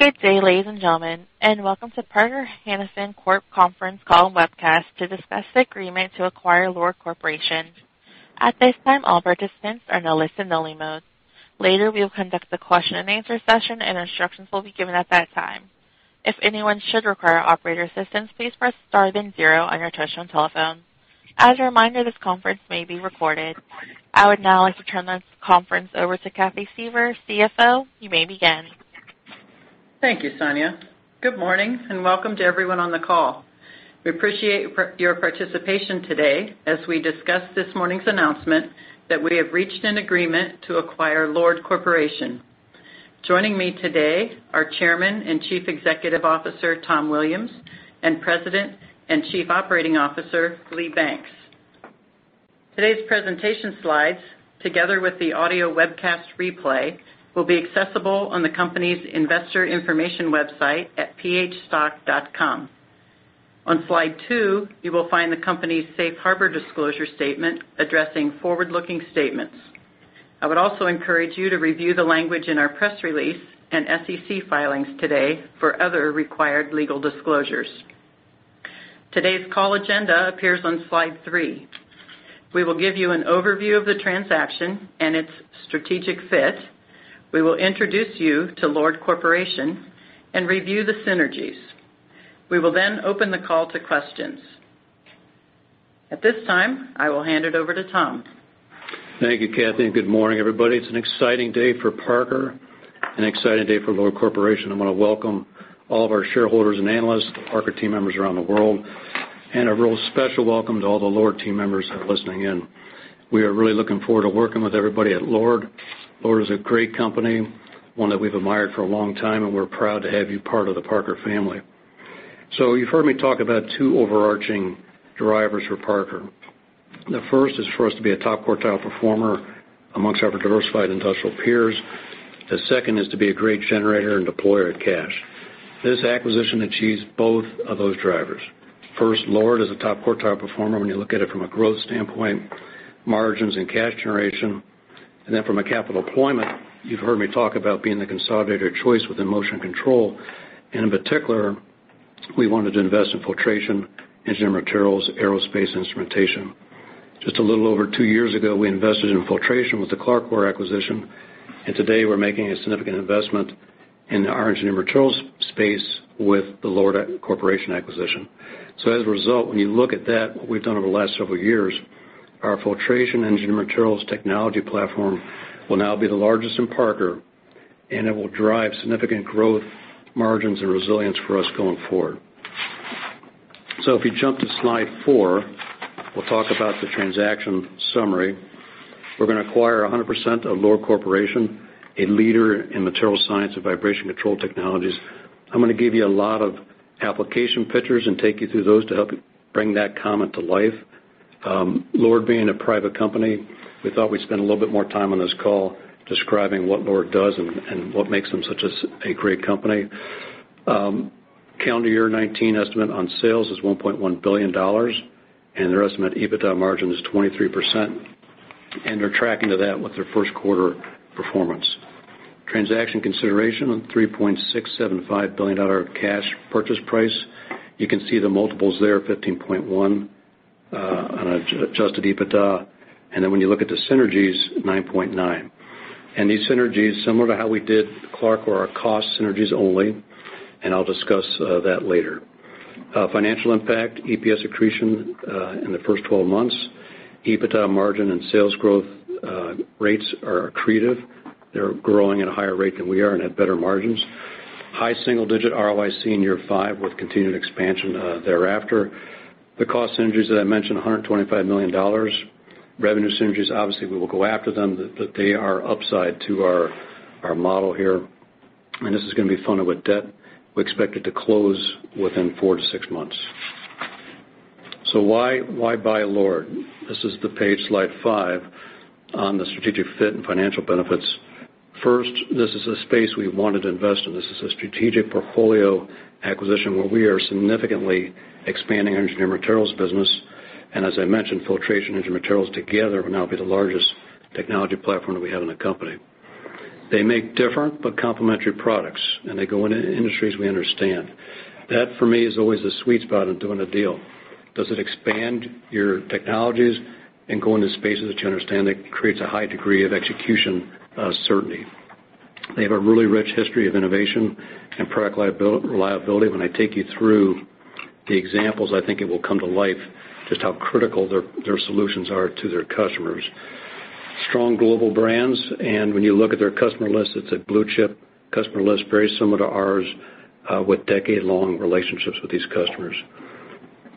Good day, ladies and gentlemen, and welcome to Parker-Hannifin Corp conference call and webcast to discuss the agreement to acquire LORD Corporation. At this time, all participants are in a listen-only mode. Later, we will conduct a question-and-answer session, and instructions will be given at that time. If anyone should require operator assistance, please press star then zero on your touchtone telephone. As a reminder, this conference may be recorded. I would now like to turn this conference over to Cathy Suever, CFO. You may begin. Thank you, Sonia. Good morning, and welcome to everyone on the call. We appreciate your participation today as we discuss this morning's announcement that we have reached an agreement to acquire LORD Corporation. Joining me today are Chairman and Chief Executive Officer, Tom Williams, and President and Chief Operating Officer, Lee Banks. Today's presentation slides, together with the audio webcast replay, will be accessible on the company's investor information website at phstock.com. On slide two, you will find the company's safe harbor disclosure statement addressing forward-looking statements. I would also encourage you to review the language in our press release and SEC filings today for other required legal disclosures. Today's call agenda appears on slide three. We will give you an overview of the transaction and its strategic fit. We will introduce you to LORD Corporation and review the synergies. We will then open the call to questions. At this time, I will hand it over to Tom. Thank you, Cathy, and good morning, everybody. It's an exciting day for Parker, an exciting day for LORD Corporation. I want to welcome all of our shareholders and analysts, Parker team members around the world, and a real special welcome to all the LORD team members that are listening in. We are really looking forward to working with everybody at LORD. LORD is a great company, one that we've admired for a long time, and we're proud to have you part of the Parker family. You've heard me talk about two overarching drivers for Parker. The first is for us to be a top quartile performer amongst our diversified industrial peers. The second is to be a great generator and deployer of cash. This acquisition achieves both of those drivers. LORD is a top quartile performer when you look at it from a growth standpoint, margins, and cash generation. From a capital deployment, you've heard me talk about being the consolidator of choice within motion control. In particular, we wanted to invest in filtration, engineered materials, aerospace, instrumentation. Just a little over two years ago, we invested in filtration with the CLARCOR acquisition, and today we're making a significant investment in our engineered materials space with the LORD Corporation acquisition. As a result, when you look at that, what we've done over the last several years, our filtration engineered materials technology platform will now be the largest in Parker, and it will drive significant growth margins and resilience for us going forward. If you jump to slide four, we'll talk about the transaction summary. We're going to acquire 100% of LORD Corporation, a leader in material science and vibration control technologies. I'm going to give you a lot of application pictures and take you through those to help bring that comment to life. LORD being a private company, we thought we'd spend a little bit more time on this call describing what LORD does and what makes them such a great company. Calendar year 2019 estimate on sales is $1.1 billion, and their estimate EBITDA margin is 23%, and they're tracking to that with their first quarter performance. Transaction consideration on $3.675 billion cash purchase price. You can see the multiples there, 15.1x on Adjusted EBITDA. When you look at the synergies, 9.9x. These synergies, similar to how we did CLARCOR, are cost synergies only, and I'll discuss that later. Financial impact, EPS accretion in the first 12 months. EBITDA margin and sales growth rates are accretive. They're growing at a higher rate than we are and have better margins. High single-digit ROIC in year five with continued expansion thereafter. The cost synergies that I mentioned, $125 million. Revenue synergies, obviously, we will go after them, but they are upside to our model here. This is going to be funded with debt. We expect it to close within four to six months. Why buy LORD? This is the page, slide five, on the strategic fit and financial benefits. This is a space we wanted to invest in. This is a strategic portfolio acquisition where we are significantly expanding our engineered materials business. As I mentioned, filtration engineered materials together will now be the largest technology platform that we have in the company. They make different but complementary products, and they go into industries we understand. That, for me, is always the sweet spot in doing a deal. Does it expand your technologies and go into spaces that you understand that creates a high degree of execution certainty? They have a really rich history of innovation and product reliability. When I take you through the examples, I think it will come to life just how critical their solutions are to their customers. Strong global brands, and when you look at their customer list, it's a blue-chip customer list, very similar to ours, with decade-long relationships with these customers.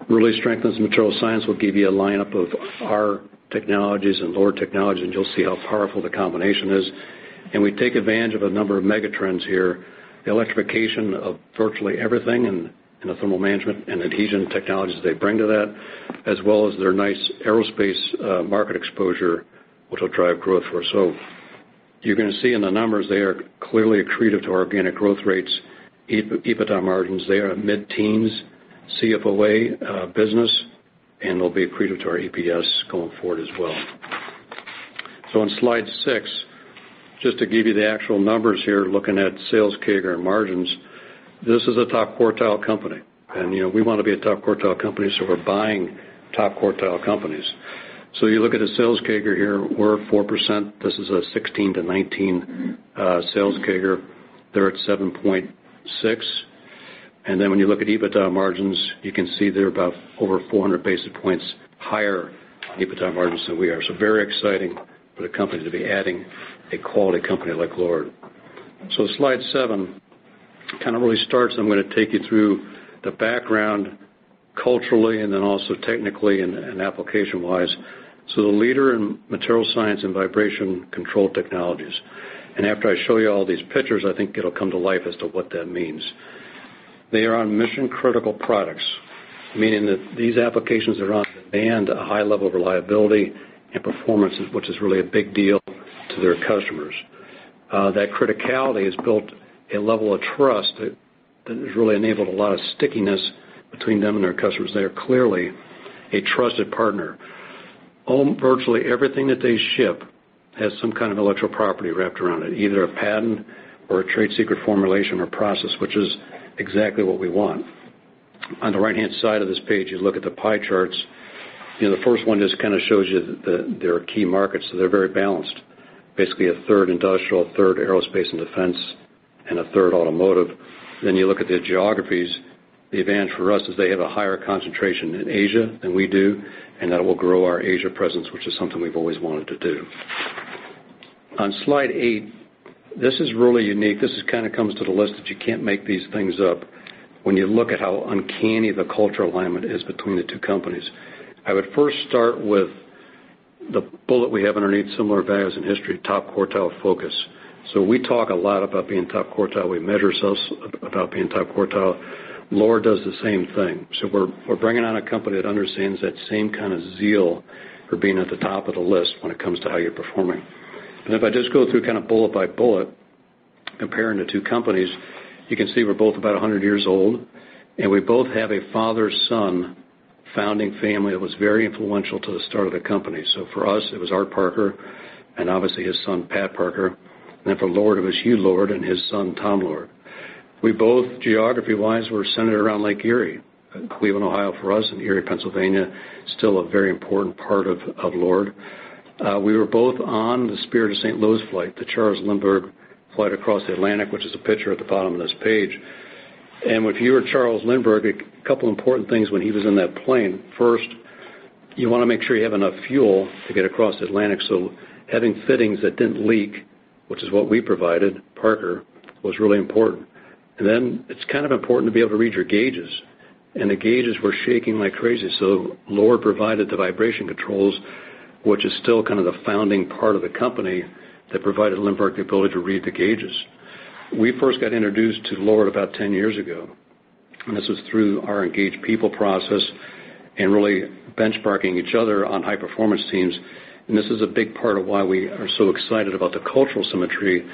Really strengthens material science. We'll give you a lineup of our technologies and LORD technologies, and you'll see how powerful the combination is. We take advantage of a number of mega trends here. The electrification of virtually everything and the thermal management and adhesion technologies they bring to that, as well as their nice aerospace market exposure, which will drive growth for us. You're going to see in the numbers they are clearly accretive to our organic growth rates. EBITDA margins, they are a mid-teens CFOA business and will be accretive to our EPS going forward as well. On slide six, just to give you the actual numbers here, looking at sales CAGR and margins, this is a top quartile company, and we want to be a top quartile company, so we're buying top quartile companies. You look at a sales CAGR here, we're at 4%. This is a 2016 to 2019 sales CAGR. They're at 7.6%. When you look at EBITDA margins, you can see they're about over 400 basis points higher EBITDA margins than we are. Very exciting for the company to be adding a quality company like LORD. On slide seven, kind of really starts, I'm going to take you through the background culturally and then also technically and application wise. The leader in material science and vibration control technologies. After I show you all these pictures, I think it'll come to life as to what that means. They are on mission critical products, meaning that these applications are on demand a high level of reliability and performance, which is really a big deal to their customers. That criticality has built a level of trust that has really enabled a lot of stickiness between them and their customers. They are clearly a trusted partner. Virtually everything that they ship has some kind of intellectual property wrapped around it, either a patent or a trade secret formulation or process, which is exactly what we want. On the right-hand side of this page, you look at the pie charts. The first one just kind of shows you that their key markets, they're very balanced. Basically 1/3 industrial, 1/3 aerospace and defense, and 1/3 automotive. You look at the geographies. The advantage for us is they have a higher concentration in Asia than we do, and that will grow our Asia presence, which is something we've always wanted to do. On slide eight, this is really unique. This kind of comes to the list that you can't make these things up when you look at how uncanny the cultural alignment is between the two companies. I would first start with the bullet we have underneath similar values and history, top quartile focus. We talk a lot about being top quartile. We measure ourselves about being top quartile. Lord does the same thing. We're bringing on a company that understands that same kind of zeal for being at the top of the list when it comes to how you're performing. If I just go through kind of bullet by bullet, comparing the two companies, you can see we're both about 100 years old, and we both have a father-son founding family that was very influential to the start of the company. For us, it was Art Parker and obviously his son, Pat Parker, and then for Lord, it was Hugh Lord and his son, Tom Lord. We both, geography wise, were centered around Lake Erie. Cleveland, Ohio, for us, and Erie, Pennsylvania, still a very important part of LORD. We were both on the Spirit of St. Louis flight, the Charles Lindbergh flight across Atlantic, which is the picture at the bottom of this page. If you were Charles Lindbergh, a couple important things when he was in that plane. First, you want to make sure you have enough fuel to get across the Atlantic. Having fittings that didn't leak, which is what we provided, Parker, was really important. Then it's kind of important to be able to read your gauges, and the gauges were shaking like crazy. LORD provided the vibration controls, which is still kind of the founding part of the company that provided Lindbergh the ability to read the gauges. We first got introduced to LORD about 10 years ago, this was through our engaged people process and really benchmarking each other on high performance teams. This is a big part of why we are so excited about the cultural symmetry,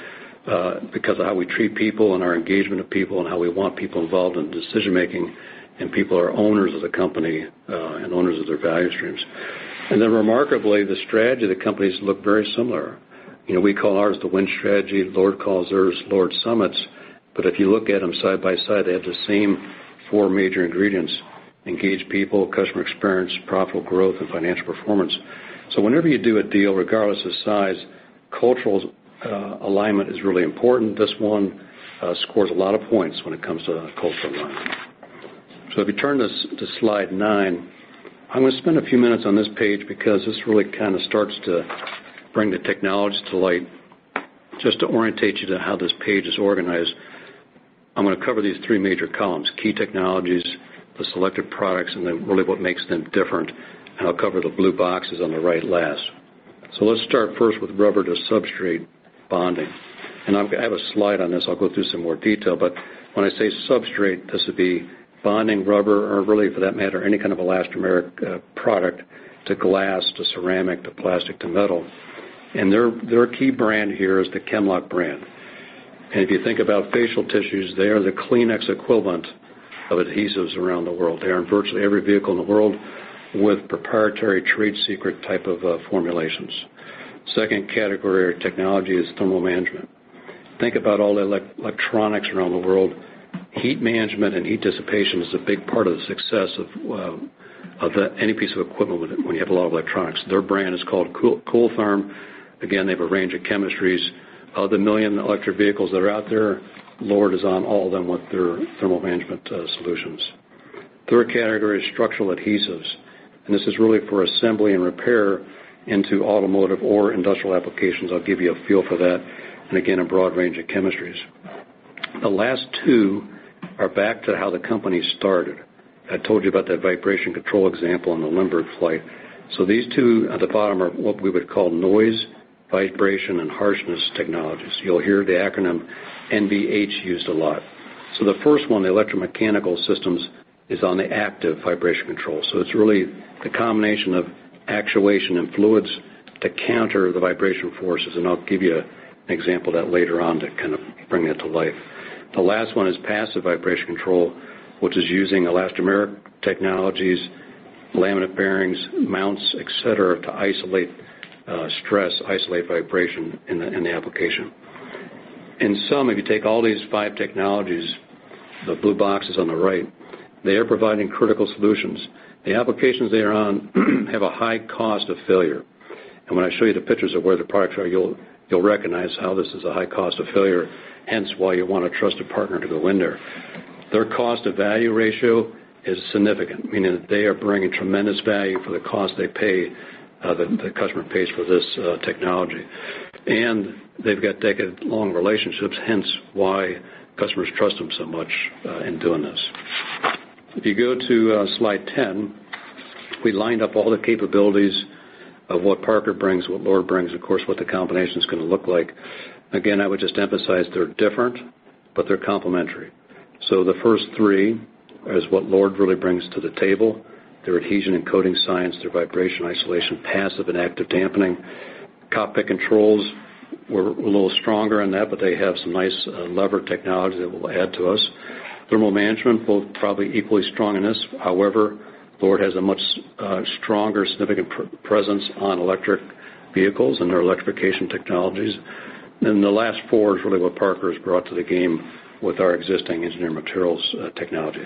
because of how we treat people and our engagement of people and how we want people involved in decision making, and people are owners of the company, and owners of their value streams. Then remarkably, the strategy of the companies look very similar. We call ours the WIN Strategy, LORD calls theirs LORD Summits. If you look at them side by side, they have the same four major ingredients, engaged people, customer experience, profitable growth, and financial performance. Whenever you do a deal, regardless of size, cultural alignment is really important. This one scores a lot of points when it comes to cultural alignment. If you turn this to slide nine, I'm going to spend a few minutes on this page because this really kind of starts to bring the technologies to light. Just to orientate you to how this page is organized, I'm going to cover these three major columns, key technologies, the selected products, then really what makes them different. I'll cover the blue boxes on the right last. Let's start first with rubber to substrate bonding. I have a slide on this. I'll go through some more detail, but when I say substrate, this would be bonding rubber, or really for that matter, any kind of elastomeric product to glass, to ceramic, to plastic, to metal. Their key brand here is the Chemlok brand. If you think about facial tissues, they are the Kleenex equivalent of adhesives around the world. They are in virtually every vehicle in the world with proprietary trade secret type of formulations. Second category of technology is thermal management. Think about all the electronics around the world. Heat management and heat dissipation is a big part of the success of any piece of equipment when you have a lot of electronics. Their brand is called CoolTherm. Again, they have a range of chemistries. Of the million electric vehicles that are out there, LORD is on all of them with their thermal management solutions. Third category is structural adhesives, this is really for assembly and repair into automotive or industrial applications. I'll give you a feel for that, again, a broad range of chemistries. The last two are back to how the company started. I told you about that vibration control example on the Lindbergh flight. These two at the bottom are what we would call noise, vibration, and harshness technologies. You'll hear the acronym NVH used a lot. The first one, the electromechanical systems, is on the active vibration control. It's really the combination of actuation and fluids to counter the vibration forces, and I'll give you an example of that later on to kind of bring that to life. The last one is passive vibration control, which is using elastomeric technologies, laminate bearings, mounts, et cetera, to isolate stress, isolate vibration in the application. In sum, if you take all these five technologies, the blue boxes on the right, they are providing critical solutions. The applications they are on have a high cost of failure. When I show you the pictures of where the products are, you'll recognize how this is a high cost of failure, hence why you want a trusted partner to go in there. Their cost to value ratio is significant, meaning that they are bringing tremendous value for the cost the customer pays for this technology. They've got decade-long relationships, hence why customers trust them so much in doing this. If you go to slide 10, we lined up all the capabilities of what Parker brings, what LORD brings, of course what the combination's going to look like. Again, I would just emphasize they're different, but they're complementary. The first three is what LORD really brings to the table. Their adhesion and coating science, their vibration, isolation, passive and active dampening. Cockpit controls, we're a little stronger on that, but they have some nice lever technology that will add to us. Thermal management, both probably equally strong in this. However, LORD has a much stronger, significant presence on electric vehicles and their electrification technologies. The last four is really what Parker's brought to the game with our existing engineered materials technology.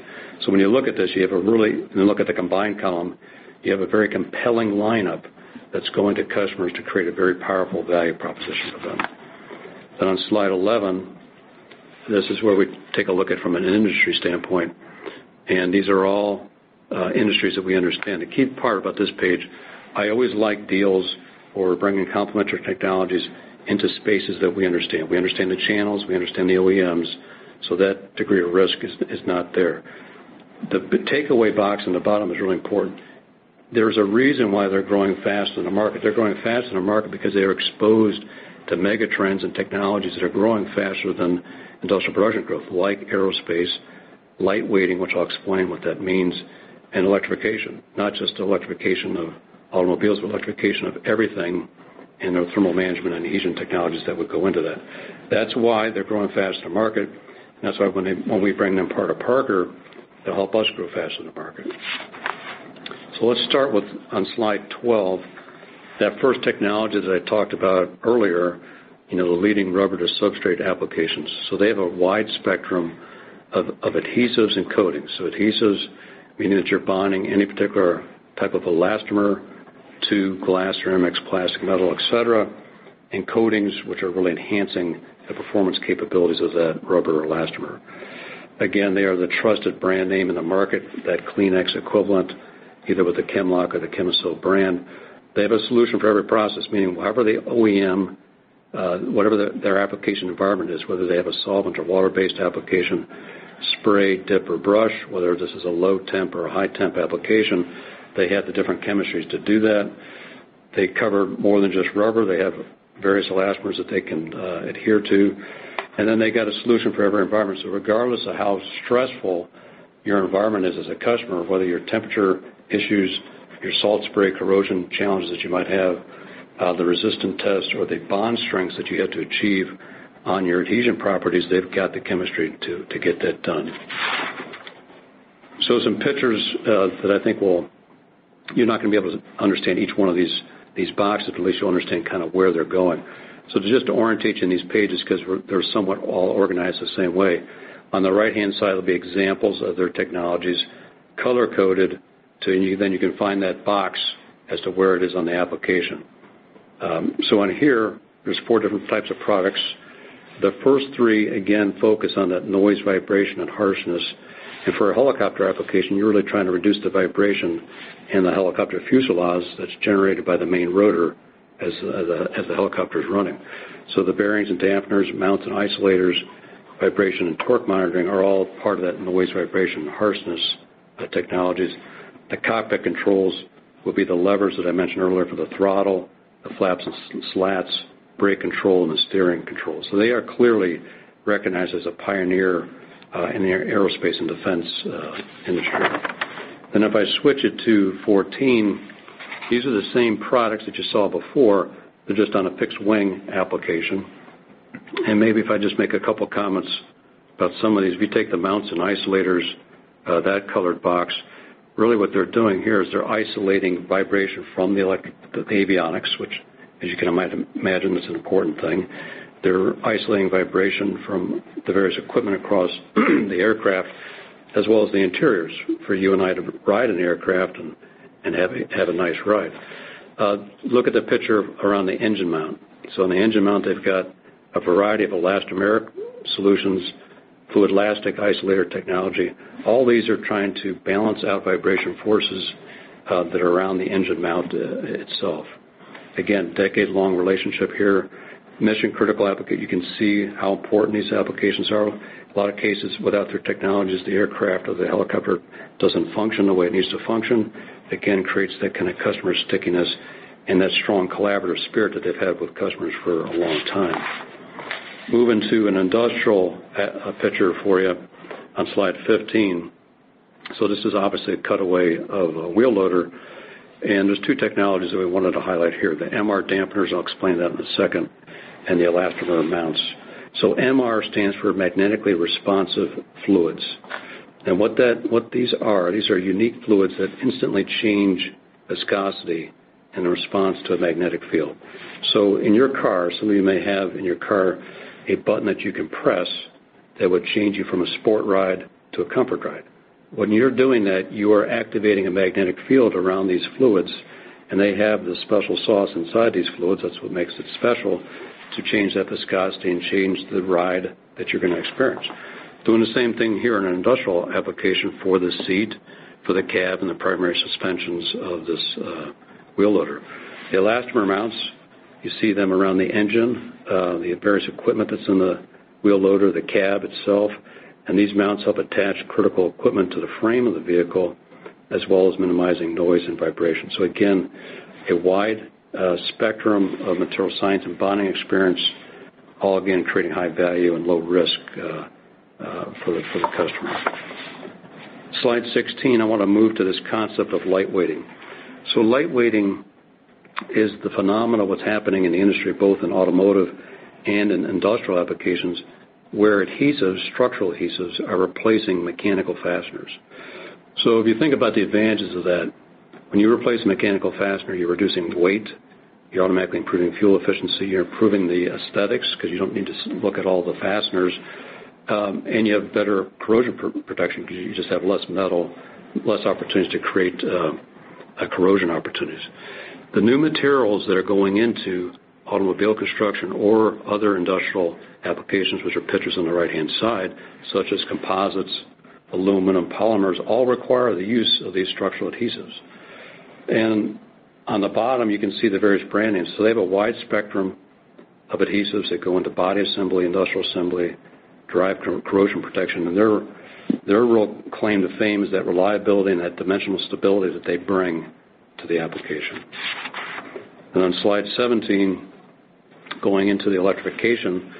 When you look at this, when you look at the combined column, you have a very compelling lineup that's going to customers to create a very powerful value proposition for them. On slide 11, this is where we take a look at it from an industry standpoint. These are all industries that we understand. A key part about this page, I always like deals or bringing complementary technologies into spaces that we understand. We understand the channels, we understand the OEMs, that degree of risk is not there. The takeaway box on the bottom is really important. There's a reason why they're growing faster than the market. They're growing faster than the market because they are exposed to mega trends and technologies that are growing faster than industrial production growth, like aerospace, lightweighting, which I'll explain what that means, and electrification. Not just electrification of automobiles, but electrification of everything, and the thermal management and adhesion technologies that would go into that. That's why they're growing faster than the market, and that's why when we bring them part of Parker, they'll help us grow faster than the market. Let's start with, on slide 12, that first technology that I talked about earlier, the leading rubber-to-substrate applications. They have a wide spectrum of adhesives and coatings. Adhesives, meaning that you're bonding any particular type of elastomer to glass, ceramics, plastic, metal, et cetera, and coatings, which are really enhancing the performance capabilities of that rubber or elastomer. Again, they are the trusted brand name in the market, that Kleenex equivalent, either with the Chemlok or the Chemosil brand. They have a solution for every process, meaning however the OEM, whatever their application environment is, whether they have a solvent or water-based application, spray, dip, or brush, whether this is a low temp or a high temp application, they have the different chemistries to do that. They cover more than just rubber. They have various elastomers that they can adhere to, and they got a solution for every environment. Regardless of how stressful your environment is as a customer, whether your temperature issues, your salt spray corrosion challenges that you might have, the resistant tests, or the bond strengths that you have to achieve on your adhesion properties, they've got the chemistry to get that done. Some pictures that I think you're not going to be able to understand each one of these boxes, but at least you'll understand kind of where they're going. Just to orientate you in these pages, because they're somewhat all organized the same way. On the right-hand side will be examples of their technologies, color-coded, you can find that box as to where it is on the application. On here, there's 4 different types of products. The first three, again, focus on that noise, vibration, and harshness. For a helicopter application, you're really trying to reduce the vibration in the helicopter fuselages that's generated by the main rotor as the helicopter is running. The bearings and dampers, mounts and isolators, vibration and torque monitoring are all part of that noise, vibration, and harshness technologies. The cockpit controls will be the levers that I mentioned earlier for the throttle, the flaps and slats, brake control, and the steering controls. They are clearly recognized as a pioneer in the aerospace and defense industry. If I switch it to 14, these are the same products that you saw before, but just on a fixed wing application. Maybe if I just make a couple comments about some of these. If you take the mounts and isolators, that colored box, really what they're doing here is they're isolating vibration from the avionics, which as you can imagine, is an important thing. They're isolating vibration from the various equipment across the aircraft as well as the interiors for you and I to ride an aircraft and have a nice ride. Look at the picture around the engine mount. On the engine mount, they've got a variety of elastomeric solutions, Fluidlastic isolator technology. All these are trying to balance out vibration forces that are around the engine mount itself. Again, decade-long relationship here. Mission critical application. You can see how important these applications are. A lot of cases, without their technologies, the aircraft or the helicopter doesn't function the way it needs to function. creates that kind of customer stickiness and that strong collaborative spirit that they've had with customers for a long time. Moving to an industrial picture for you on slide 15. This is obviously a cutaway of a wheel loader, and there's two technologies that we wanted to highlight here, the MR dampers, I'll explain that in a second, and the elastomer mounts. MR stands for magnetically responsive fluids. And what these are, these are unique fluids that instantly change viscosity in response to a magnetic field. In your car, some of you may have in your car a button that you can press that would change you from a sport ride to a comfort ride. When you're doing that, you are activating a magnetic field around these fluids, and they have this special sauce inside these fluids, that's what makes it special, to change that viscosity and change the ride that you're going to experience. Doing the same thing here in an industrial application for the seat, for the cab, and the primary suspensions of this wheel loader. The elastomer mounts, you see them around the engine, the various equipment that's in the wheel loader, the cab itself. These mounts help attach critical equipment to the frame of the vehicle, as well as minimizing noise and vibration. Again, a wide spectrum of material science and bonding experience, all again creating high value and low risk for the customer. Slide 16, I want to move to this concept of lightweighting. lightweighting is the phenomena of what's happening in the industry, both in automotive and in industrial applications, where adhesives, structural adhesives, are replacing mechanical fasteners. If you think about the advantages of that, when you replace a mechanical fastener, you're reducing weight, you're automatically improving fuel efficiency, you're improving the aesthetics, because you don't need to look at all the fasteners. You have better corrosion protection because you just have less metal, less opportunities to create corrosion opportunities. The new materials that are going into automobile construction or other industrial applications, which are pictures on the right-hand side, such as composites, aluminum, polymers, all require the use of these structural adhesives. On the bottom, you can see the various brand names. They have a wide spectrum of adhesives that go into body assembly, industrial assembly, drive corrosion protection. Their real claim to fame is that reliability and that dimensional stability that they bring to the application. On slide 17, going into the electrification,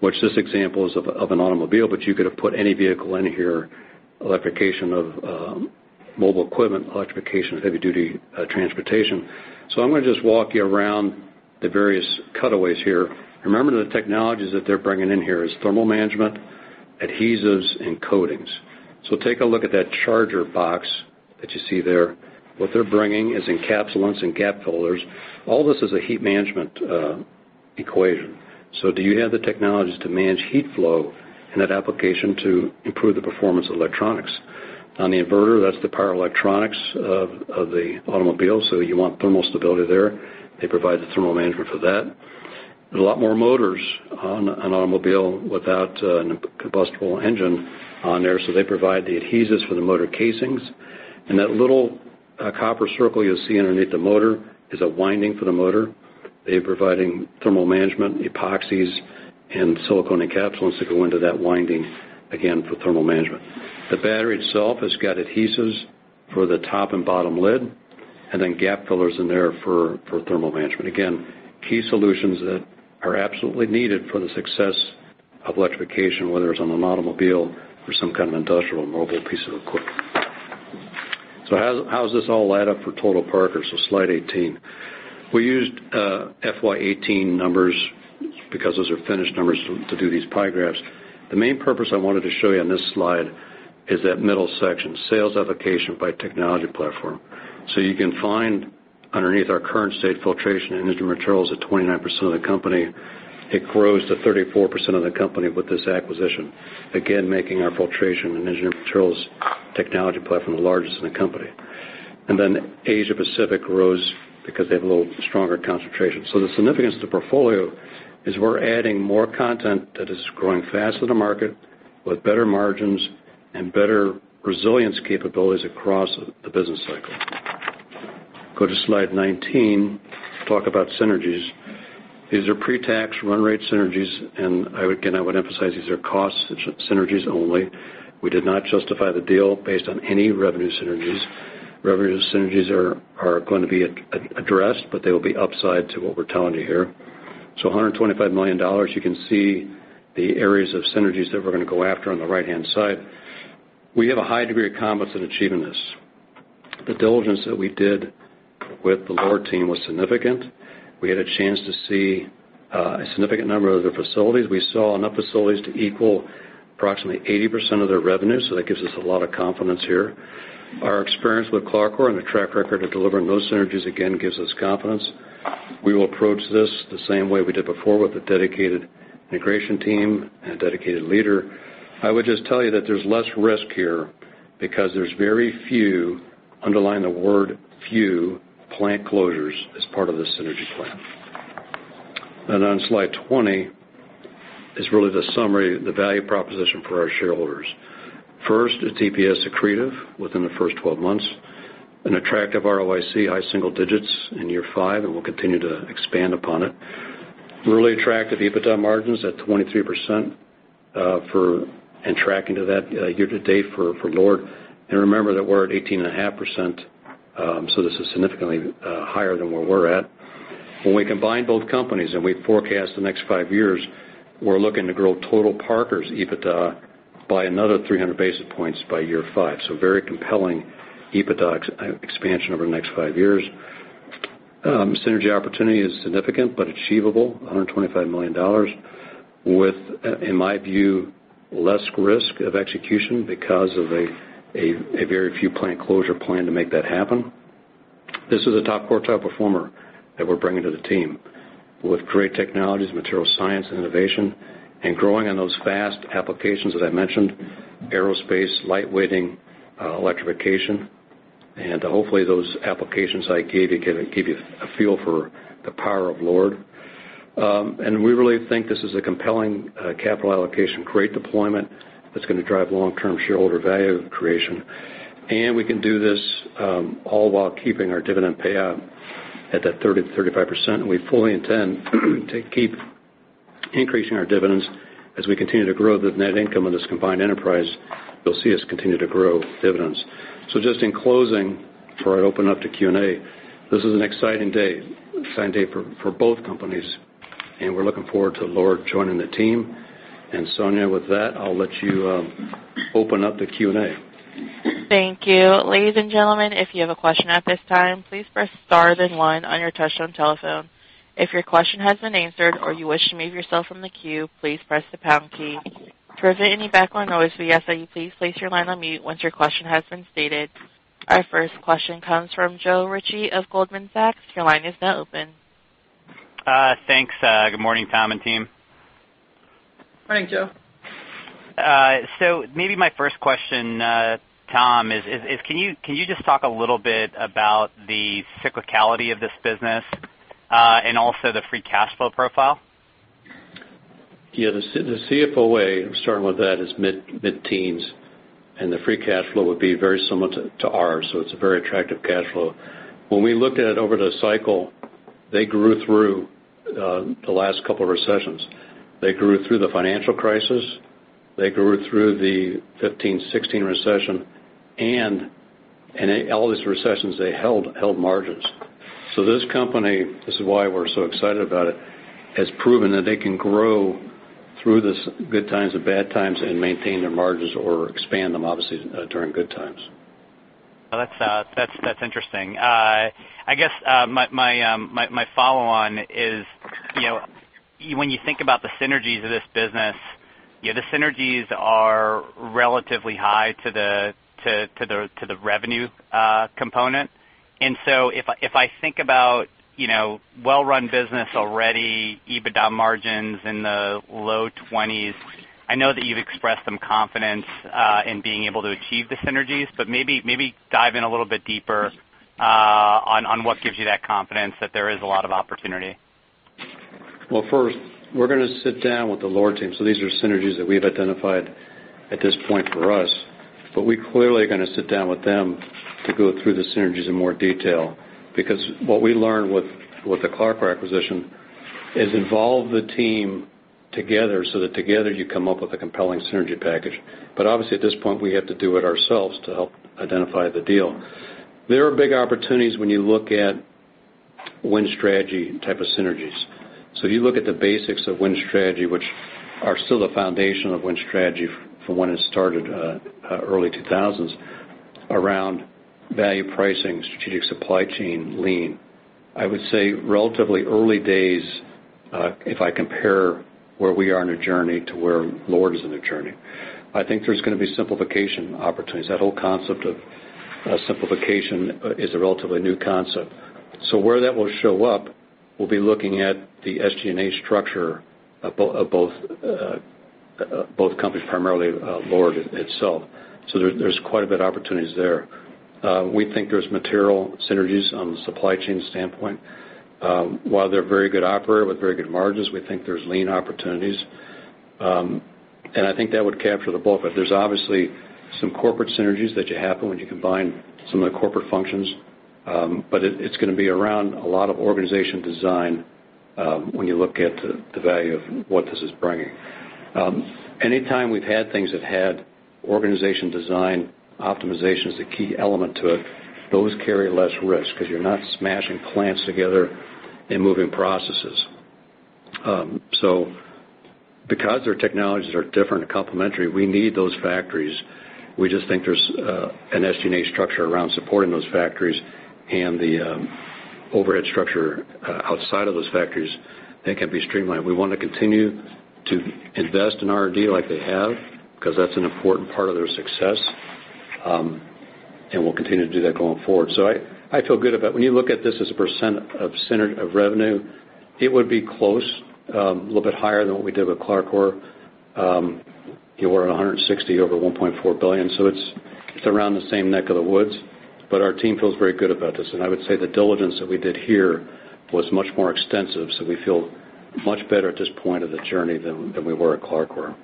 which this example is of an automobile, but you could have put any vehicle in here, electrification of mobile equipment, electrification of heavy-duty transportation. I'm going to just walk you around the various cutaways here. Remember that the technologies that they're bringing in here is thermal management, adhesives, and coatings. Take a look at that charger box that you see there. What they're bringing is encapsulants and gap fillers. All this is a heat management equation. Do you have the technologies to manage heat flow in that application to improve the performance of electronics? On the inverter, that's the power electronics of the automobile, so you want thermal stability there. They provide the thermal management for that. There's a lot more motors on an automobile without a combustible engine on there, so they provide the adhesives for the motor casings. That little copper circle you'll see underneath the motor is a winding for the motor. They're providing thermal management epoxies and silicone encapsulants that go into that winding, again, for thermal management. The battery itself has got adhesives for the top and bottom lid, and then gap fillers in there for thermal management. Again, key solutions that are absolutely needed for the success of electrification, whether it's on an automobile or some kind of industrial mobile piece of equipment. How does this all add up for total Parker? Slide 18. We used FY 2018 numbers, because those are finished numbers, to do these pie graphs. The main purpose I wanted to show you on this slide is that middle section, sales application by technology platform. You can find underneath our current state filtration and engineered materials at 29% of the company. It grows to 34% of the company with this acquisition. Again, making our filtration and engineered materials technology platform the largest in the company. Asia Pacific grows because they have a little stronger concentration. The significance to portfolio is we're adding more content that is growing faster than market, with better margins and better resilience capabilities across the business cycle. Go to slide 19, talk about synergies. These are pre-tax, run rate synergies, and again, I would emphasize, these are cost synergies only. We did not justify the deal based on any revenue synergies. Revenue synergies are going to be addressed, but they will be upside to what we're telling you here. $125 million. You can see the areas of synergies that we're going to go after on the right-hand side. We have a high degree of confidence in achieving this. The diligence that we did with the LORD team was significant. We had a chance to see a significant number of their facilities. We saw enough facilities to equal approximately 80% of their revenue, so that gives us a lot of confidence here. Our experience with CLARCOR on the track record of delivering those synergies, again, gives us confidence. We will approach this the same way we did before with a dedicated integration team and a dedicated leader. I would just tell you that there's less risk here because there's very few, underline the word few, plant closures as part of the synergy plan. On slide 20 is really the summary, the value proposition for our shareholders. First, an EPS accretive within the first 12 months. An attractive ROIC, high single digits in year five, and we'll continue to expand upon it. Really attractive EBITDA margins at 23%, and tracking to that year to date for LORD. Remember that we're at 18.5%, so this is significantly higher than where we're at. When we combine both companies and we forecast the next five years, we're looking to grow total Parker's EBITDA by another 300 basis points by year five. Very compelling EBITDA expansion over the next five years. The synergy opportunity is significant but achievable, $125 million, with, in my view, less risk of execution because of a very few plant closure plan to make that happen. This is a top quartile performer that we're bringing to the team with great technologies, material science, and innovation, and growing on those fast applications that I mentioned, aerospace, lightweighting, electrification. Hopefully those applications I gave you give you a feel for the power of LORD. We really think this is a compelling capital allocation, great deployment that's going to drive long-term shareholder value creation. We can do this all while keeping our dividend payout at that 30%-35%. We fully intend to keep increasing our dividends as we continue to grow the net income of this combined enterprise. You'll see us continue to grow dividends. Just in closing, before I open up to Q&A, this is an exciting day for both companies, and we're looking forward to LORD joining the team. Sonia, with that, I'll let you open up the Q&A. Thank you. Ladies and gentlemen, if you have a question at this time, please press star then one on your touchtone telephone. If your question has been answered or you wish to remove yourself from the queue, please press the pound key. To prevent any background noise, we ask that you please place your line on mute once your question has been stated. Our first question comes from Joe Ritchie of Goldman Sachs. Your line is now open. Thanks. Good morning, Tom and team. Morning, Joe. Maybe my first question, Tom, is can you just talk a little bit about the cyclicality of this business, and also the free cash flow profile? The CFOA, I'm starting with that, is mid-teens, and the free cash flow would be very similar to ours, so it's a very attractive cash flow. When we look at it over the cycle, they grew through the last couple of recessions. They grew through the financial crisis. They grew through the 2015, 2016 recession, and in all these recessions, they held margins. This company, this is why we're so excited about it, has proven that they can grow through these good times and bad times and maintain their margins or expand them, obviously, during good times. That's interesting. I guess my follow-on is when you think about the synergies of this business, the synergies are relatively high to the revenue component. If I think about well-run business already, EBITDA margins in the low 20s, I know that you've expressed some confidence in being able to achieve the synergies, but maybe dive in a little bit deeper on what gives you that confidence that there is a lot of opportunity. First, we're going to sit down with the LORD team. These are synergies that we've identified at this point for us, but we clearly are going to sit down with them to go through the synergies in more detail. Because what we learned with the CLARCOR acquisition is involve the team together so that together you come up with a compelling synergy package. Obviously, at this point, we have to do it ourselves to help identify the deal. There are big opportunities when you look at WIN Strategy type of synergies. If you look at the basics of WIN Strategy, which are still the foundation of WIN Strategy from when it started early 2000s, around value pricing, strategic supply chain, lean. I would say relatively early days, if I compare where we are in a journey to where LORD is in a journey. I think there's going to be simplification opportunities. That whole concept of simplification is a relatively new concept. Where that will show up, we'll be looking at the SG&A structure of both companies, primarily LORD itself. There's quite a bit of opportunities there. We think there's material synergies on the supply chain standpoint. While they're a very good operator with very good margins, we think there's lean opportunities. I think that would capture the bulk. There's obviously some corporate synergies that you have when you combine some of the corporate functions. It's going to be around a lot of organization design when you look at the value of what this is bringing. Anytime we've had things that had organization design, optimization is the key element to it. Those carry less risk because you're not smashing plants together and moving processes. Because their technologies are different and complementary, we need those factories. We just think there's an SG&A structure around supporting those factories and the overhead structure outside of those factories that can be streamlined. We want to continue to invest in R&D like they have, because that's an important part of their success, and we'll continue to do that going forward. I feel good about it. When you look at this as a % of revenue, it would be close, a little bit higher than what we did with CLARCOR. We're at $160 million over $1.4 billion, it's around the same neck of the woods. Our team feels very good about this, and I would say the diligence that we did here was much more extensive, we feel much better at this point of the journey than we were at CLARCOR.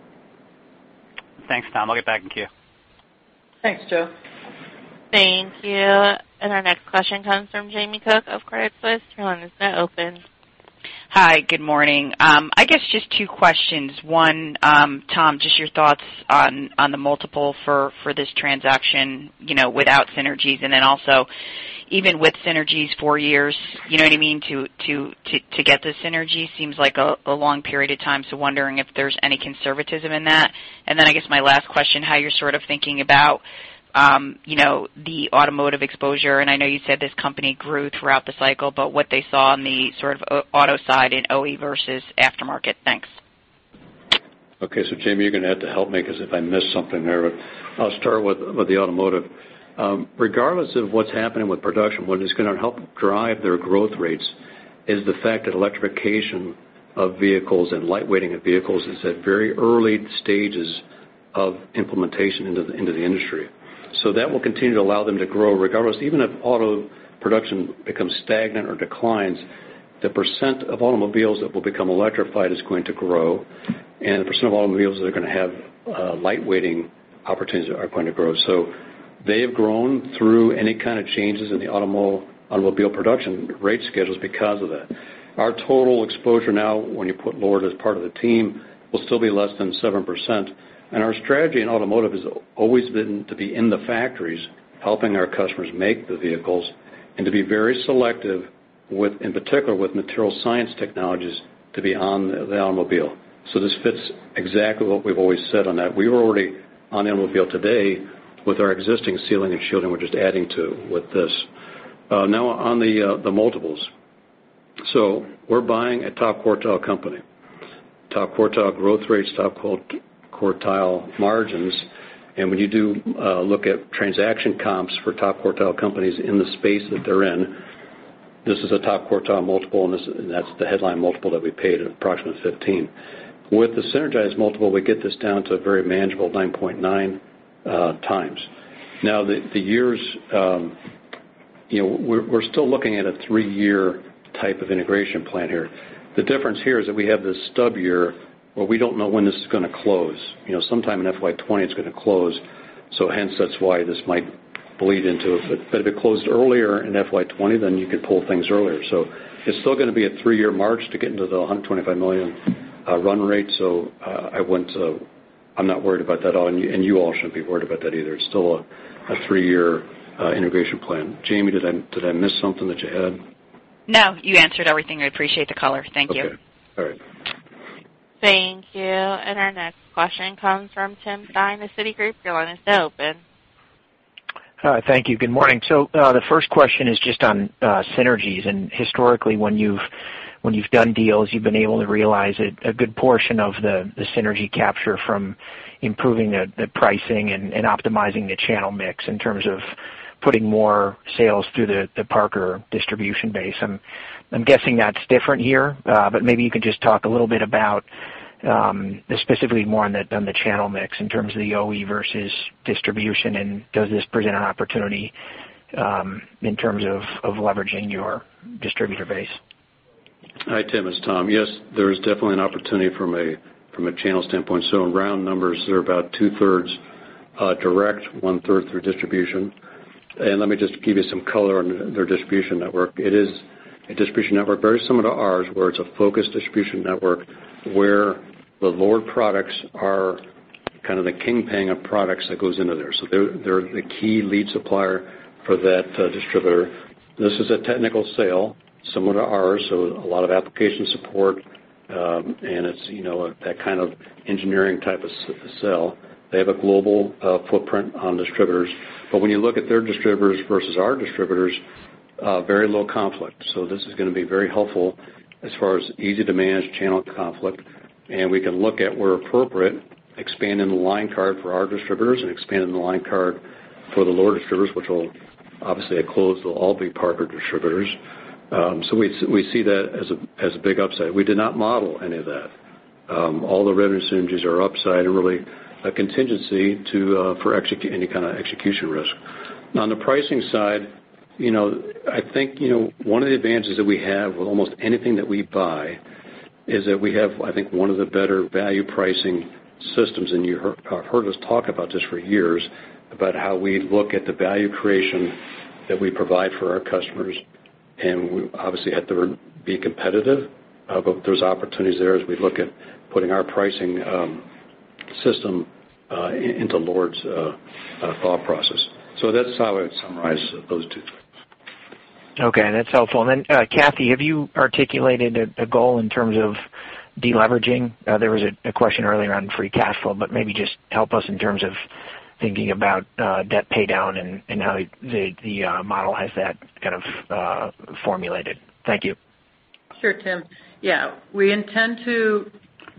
Thanks, Tom. I'll get back in queue. Thanks, Joe. Thank you. Our next question comes from Jamie Cook of Credit Suisse. Your line is now open. Hi. Good morning. I guess just two questions. One, Tom, just your thoughts on the multiple for this transaction without synergies. Also even with synergies, four years, you know what I mean, to get the synergy seems like a long period of time, so wondering if there's any conservatism in that. I guess my last question, how you're sort of thinking about the automotive exposure, and I know you said this company grew throughout the cycle, but what they saw on the sort of auto side in OE versus aftermarket. Thanks. Okay. Jamie, you're going to have to help me, because if I missed something there, but I'll start with the automotive. Regardless of what's happening with production, what is going to help drive their growth rates is the fact that electrification of vehicles and lightweighting of vehicles is at very early stages of implementation into the industry. That will continue to allow them to grow regardless, even if auto production becomes stagnant or declines, the % of automobiles that will become electrified is going to grow, and the % of automobiles that are going to have lightweighting opportunities are going to grow. They have grown through any kind of changes in the automobile production rate schedules because of that. Our total exposure now, when you put Lord as part of the team, will still be less than 7%. Our strategy in automotive has always been to be in the factories, helping our customers make the vehicles, and to be very selective, in particular with material science technologies, to be on the automobile. This fits exactly what we've always said on that. We were already on the automobile today with our existing sealing and shielding. We're just adding to with this. Now on the multiples. We're buying a top quartile company. Top quartile growth rates, top quartile margins. When you do look at transaction comps for top quartile companies in the space that they're in, this is a top quartile multiple, and that's the headline multiple that we paid at approximately 15. With the synergized multiple, we get this down to a very manageable 9.9x. Now, we're still looking at a three-year type of integration plan here. The difference here is that we have this stub year where we don't know when this is going to close. Sometime in FY 2020 it's going to close. Hence, that's why this might bleed into it. If it closed earlier in FY 2020, you could pull things earlier. It's still going to be a three-year march to get into the $125 million run rate. I'm not worried about that at all, and you all shouldn't be worried about that either. It's still a three-year integration plan. Jamie, did I miss something that you had? No, you answered everything. I appreciate the color. Thank you. Okay. All right. Thank you. Our next question comes from Tim Thein of Citigroup. Your line is now open. Hi. Thank you. Good morning. The first question is just on synergies. Historically, when you've done deals, you've been able to realize a good portion of the synergy capture from improving the pricing and optimizing the channel mix in terms of putting more sales through the Parker distribution base. I'm guessing that's different here. Maybe you can just talk a little bit about, specifically more on the channel mix in terms of the OE versus distribution, and does this present an opportunity in terms of leveraging your distributor base? Hi, Tim. It's Tom. Yes, there is definitely an opportunity from a channel standpoint. In round numbers, they're about 2/3 direct, 1/3 through distribution. Let me just give you some color on their distribution network. It is a distribution network very similar to ours, where it's a focused distribution network where the LORD products are kind of the kingpin of products that goes into there. They're the key lead supplier for that distributor. This is a technical sale similar to ours, a lot of application support. It's that kind of engineering type of sell. They have a global footprint on distributors. When you look at their distributors versus our distributors, very low conflict. This is going to be very helpful as far as easy to manage channel conflict. We can look at where appropriate, expanding the line card for our distributors and expanding the line card for the LORD distributors, which will obviously at close will all be Parker distributors. We see that as a big upside. We did not model any of that. All the revenue synergies are upside and really a contingency for any kind of execution risk. Now on the pricing side, I think one of the advantages that we have with almost anything that we buy is that we have, I think, one of the better value pricing systems, and you've heard us talk about this for years, about how we look at the value creation that we provide for our customers. We obviously have to be competitive. There's opportunities there as we look at putting our pricing system into LORD's thought process. That's how I would summarize those two things. Okay. That's helpful. Cathy, have you articulated a goal in terms of deleveraging? There was a question earlier on free cash flow, maybe just help us in terms of thinking about debt paydown and how the model has that kind of formulated. Thank you. Sure, Tim. We intend to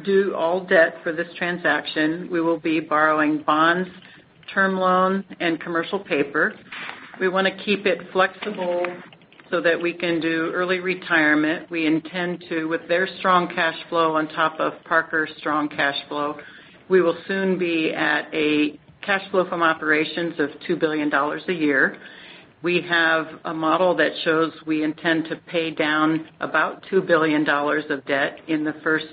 do all debt for this transaction. We will be borrowing bonds, term loan, and commercial paper. We want to keep it flexible so that we can do early retirement. With their strong cash flow on top of Parker's strong cash flow, we will soon be at a cash flow from operations of $2 billion a year. We have a model that shows we intend to pay down about $2 billion of debt in the first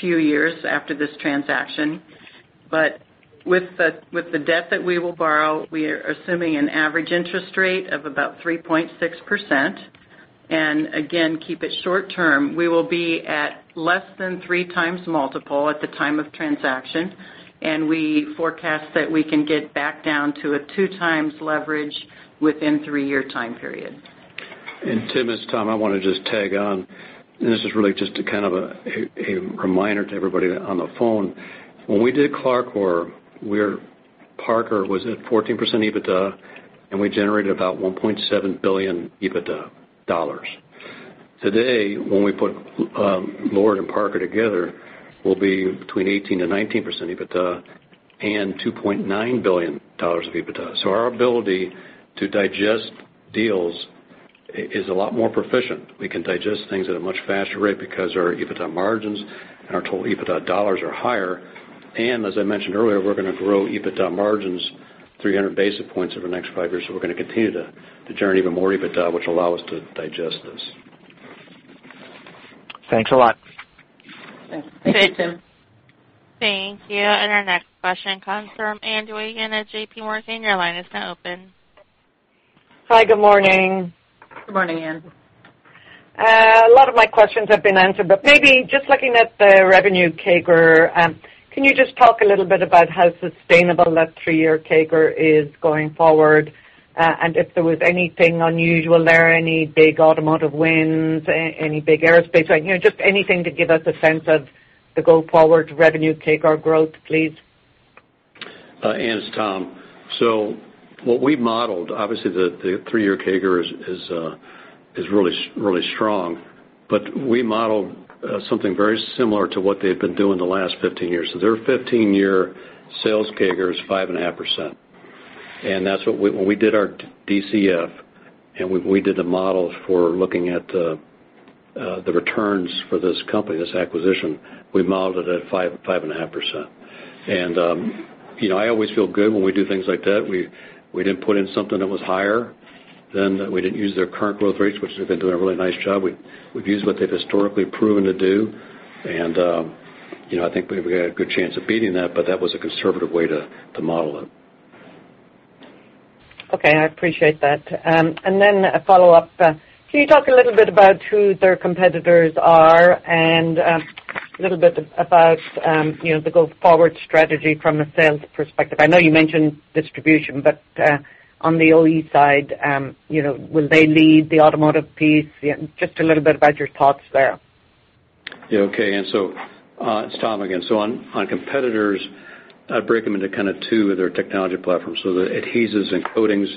few years after this transaction. With the debt that we will borrow, we are assuming an average interest rate of about 3.6%, again, keep it short term. We will be at less than a 3x multiple at the time of transaction, we forecast that we can get back down to a 2x leverage within a three-year time period. Tim, it's Tom, I want to just tag on. This is really just kind of a reminder to everybody on the phone. When we did CLARCOR, where Parker was at 14% EBITDA, we generated about $1.7 billion EBITDA. Today, when we put LORD and Parker together, we'll be between 18%-19% EBITDA and $2.9 billion of EBITDA. Our ability to digest deals is a lot more proficient. We can digest things at a much faster rate because our EBITDA margins and our total EBITDA dollars are higher. As I mentioned earlier, we're going to grow EBITDA margins 300 basis points over the next five years. We're going to continue to generate even more EBITDA, which will allow us to digest this. Thanks a lot. Thanks. Thanks, Tim. Thank you. Our next question comes from Ann Duignan at JPMorgan. Your line is now open. Hi, good morning. Good morning, Ann. A lot of my questions have been answered, maybe just looking at the revenue CAGR, can you just talk a little bit about how sustainable that three-year CAGR is going forward? If there was anything unusual there, any big automotive wins, any big aerospace? Just anything to give us a sense of the go-forward revenue CAGR growth, please. Ann, it's Tom. What we've modeled, obviously, the three-year CAGR is really strong. We modeled something very similar to what they've been doing the last 15 years. Their 15-year sales CAGR is 5.5%. When we did our DCF, and we did the model for looking at the returns for this company, this acquisition, we modeled it at 5.5%. I always feel good when we do things like that. We didn't put in something that was higher. We didn't use their current growth rates, which they've been doing a really nice job. We've used what they've historically proven to do. I think we have a good chance of beating that, but that was a conservative way to model it. Okay, I appreciate that. Then a follow-up. Can you talk a little bit about who their competitors are and a little bit about the go-forward strategy from a sales perspective? I know you mentioned distribution, but on the OE side, will they lead the automotive piece? Just a little bit about your thoughts there. Yeah, okay, Ann. It's Tom again. On competitors, I break them into kind of two. Their technology platforms. The adhesives and coatings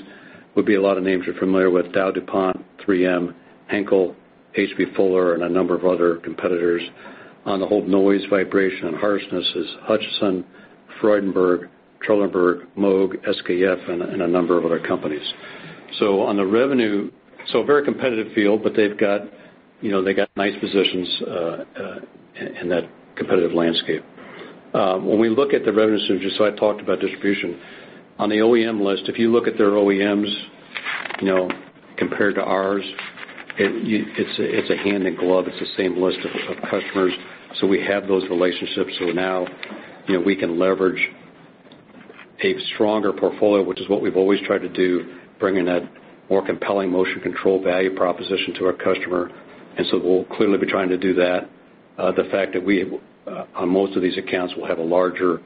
would be a lot of names you're familiar with, DowDuPont, 3M, Henkel, H.B. Fuller, and a number of other competitors. On the whole noise, vibration, and harshness is Hutchinson, Freudenberg, Trelleborg, Moog, SKF, and a number of other companies. A very competitive field, but they've got nice positions in that competitive landscape. When we look at the revenue synergies, I talked about distribution. On the OEM list, if you look at their OEMs compared to ours, it's a hand in glove. It's the same list of customers. We have those relationships. Now we can leverage a stronger portfolio, which is what we've always tried to do, bring in a more compelling motion control value proposition to our customer. We'll clearly be trying to do that. The fact that we, on most of these accounts, will have a larger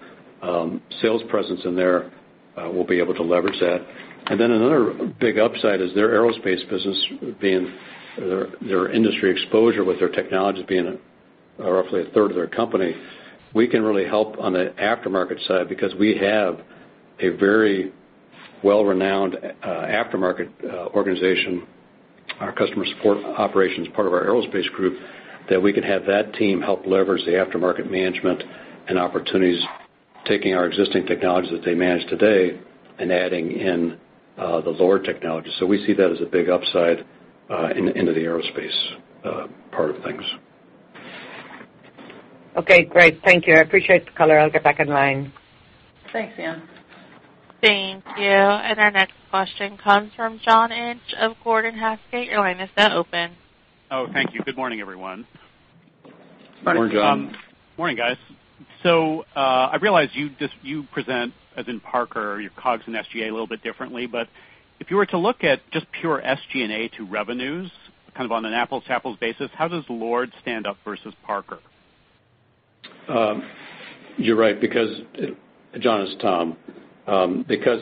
sales presence in there, we'll be able to leverage that. Another big upside is their aerospace business, their industry exposure with their technologies being roughly 1/3 of their company. We can really help on the aftermarket side because we have a very well-renowned aftermarket organization. Our customer support operations is part of our aerospace group that we can have that team help leverage the aftermarket management and opportunities, taking our existing technologies that they manage today and adding in the lower technology. We see that as a big upside into the aerospace part of things. Okay, great. Thank you. I appreciate the color. I'll get back in line. Thanks, Ann. Thank you. Our next question comes from John Inch of Gordon Haskett. Your line is now open. Oh, thank you. Good morning, everyone. Morning, John. Morning, guys. I realize you present, as in Parker, your COGS and SGA a little bit differently. If you were to look at just pure SG&A to revenues, kind of on an apples to apples basis, how does LORD stand up versus Parker? You're right. John, it's Tom.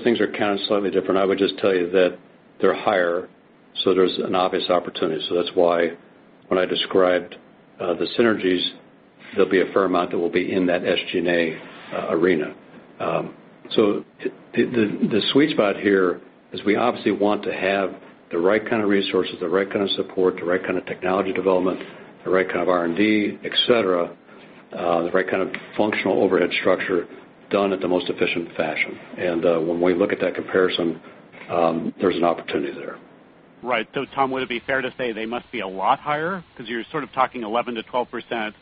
Things are counted slightly different, so there's an obvious opportunity. That's why when I described the synergies, there'll be a fair amount that will be in that SG&A arena. The sweet spot here is we obviously want to have the right kind of resources, the right kind of support, the right kind of technology development, the right kind of R&D, et cetera, the right kind of functional overhead structure done at the most efficient fashion. When we look at that comparison, there's an opportunity there. Right. Tom, would it be fair to say they must be a lot higher? Because you're sort of talking 11%-12%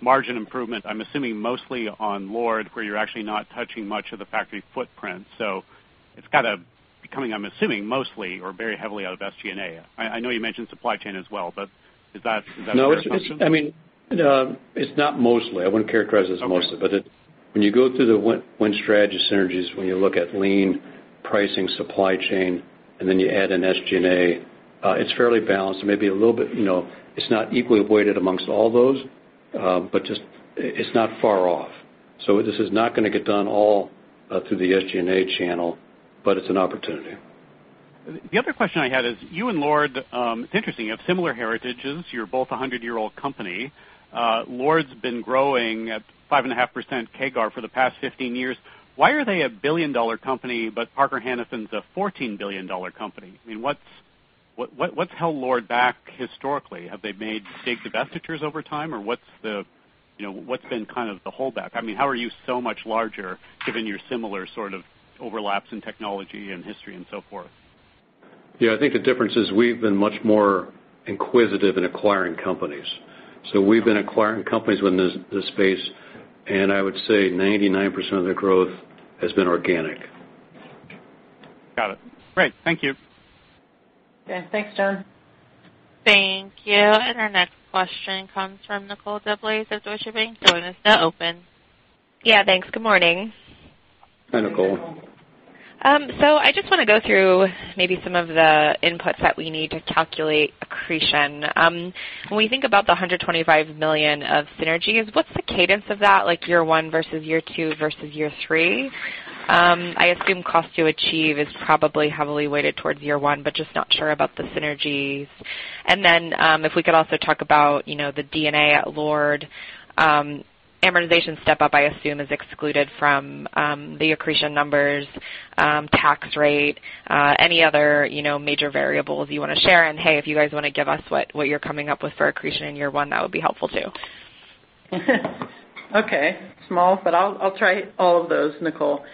margin improvement, I'm assuming mostly on LORD, where you're actually not touching much of the factory footprint. It's kind of becoming, I'm assuming mostly or very heavily out of SG&A. I know you mentioned supply chain as well, but is that a fair assumption? No, it's not mostly. I wouldn't characterize it as mostly. Okay. When you go through the WIN Strategy synergies, when you look at lean pricing supply chain, you add in SG&A, it's fairly balanced. It's not equally weighted amongst all those. It's not far off. This is not going to get done all through the SG&A channel, but it's an opportunity. The other question I had is, you and LORD, it's interesting, you have similar heritages. You're both a 100-year-old company. LORD's been growing at 5.5% CAGR for the past 15 years. Why are they a billion-dollar company, but Parker-Hannifin's a $14 billion company? What's held LORD back historically? Have they made big divestitures over time or what's been the holdback? How are you so much larger given your similar overlaps in technology and history and so forth? Yeah, I think the difference is we've been much more inquisitive in acquiring companies. We've been acquiring companies within this space, and I would say 99% of the growth has been organic. Got it. Great. Thank you. Okay, thanks John. Thank you. Our next question comes from Nicole DeBlase of Deutsche Bank. Your line is now open. Thanks. Good morning. Hi, Nicole. I just want to go through maybe some of the inputs that we need to calculate accretion. When we think about the $125 million of synergies, what's the cadence of that, like year one versus year two versus year three? I assume cost to achieve is probably heavily weighted towards year one, but just not sure about the synergies. If we could also talk about the DNA at LORD. Amortization step up, I assume is excluded from the accretion numbers, tax rate, any other major variables you want to share. Hey, if you guys want to give us what you're coming up with for accretion in year one, that would be helpful too. Okay. Small, but I'll try all of those, Nicole.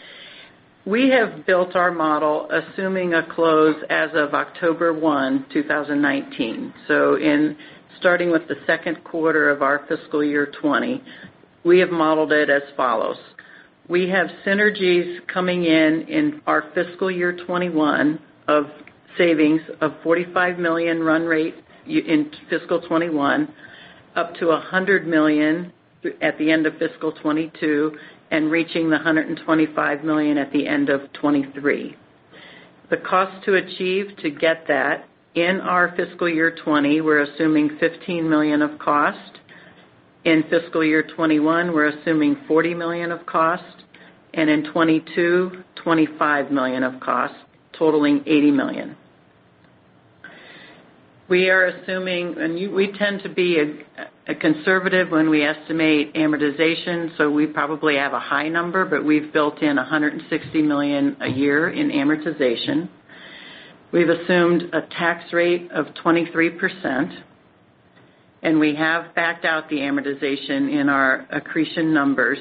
We have built our model assuming a close as of October 1, 2019. In starting with the second quarter of our fiscal year 2020, we have modeled it as follows. We have synergies coming in in our fiscal year 2021 of savings of $45 million run rate in fiscal 2021, up to $100 million at the end of fiscal 2022, and reaching the $125 million at the end of 2023. The cost to achieve to get that in our fiscal year 2020, we're assuming $15 million of cost. In fiscal year 2021, we're assuming $40 million of cost, and in 2022, $25 million of cost, totaling $80 million. We tend to be conservative when we estimate amortization, so we probably have a high number, but we've built in $160 million a year in amortization. We've assumed a tax rate of 23%. We have backed out the amortization in our accretion numbers,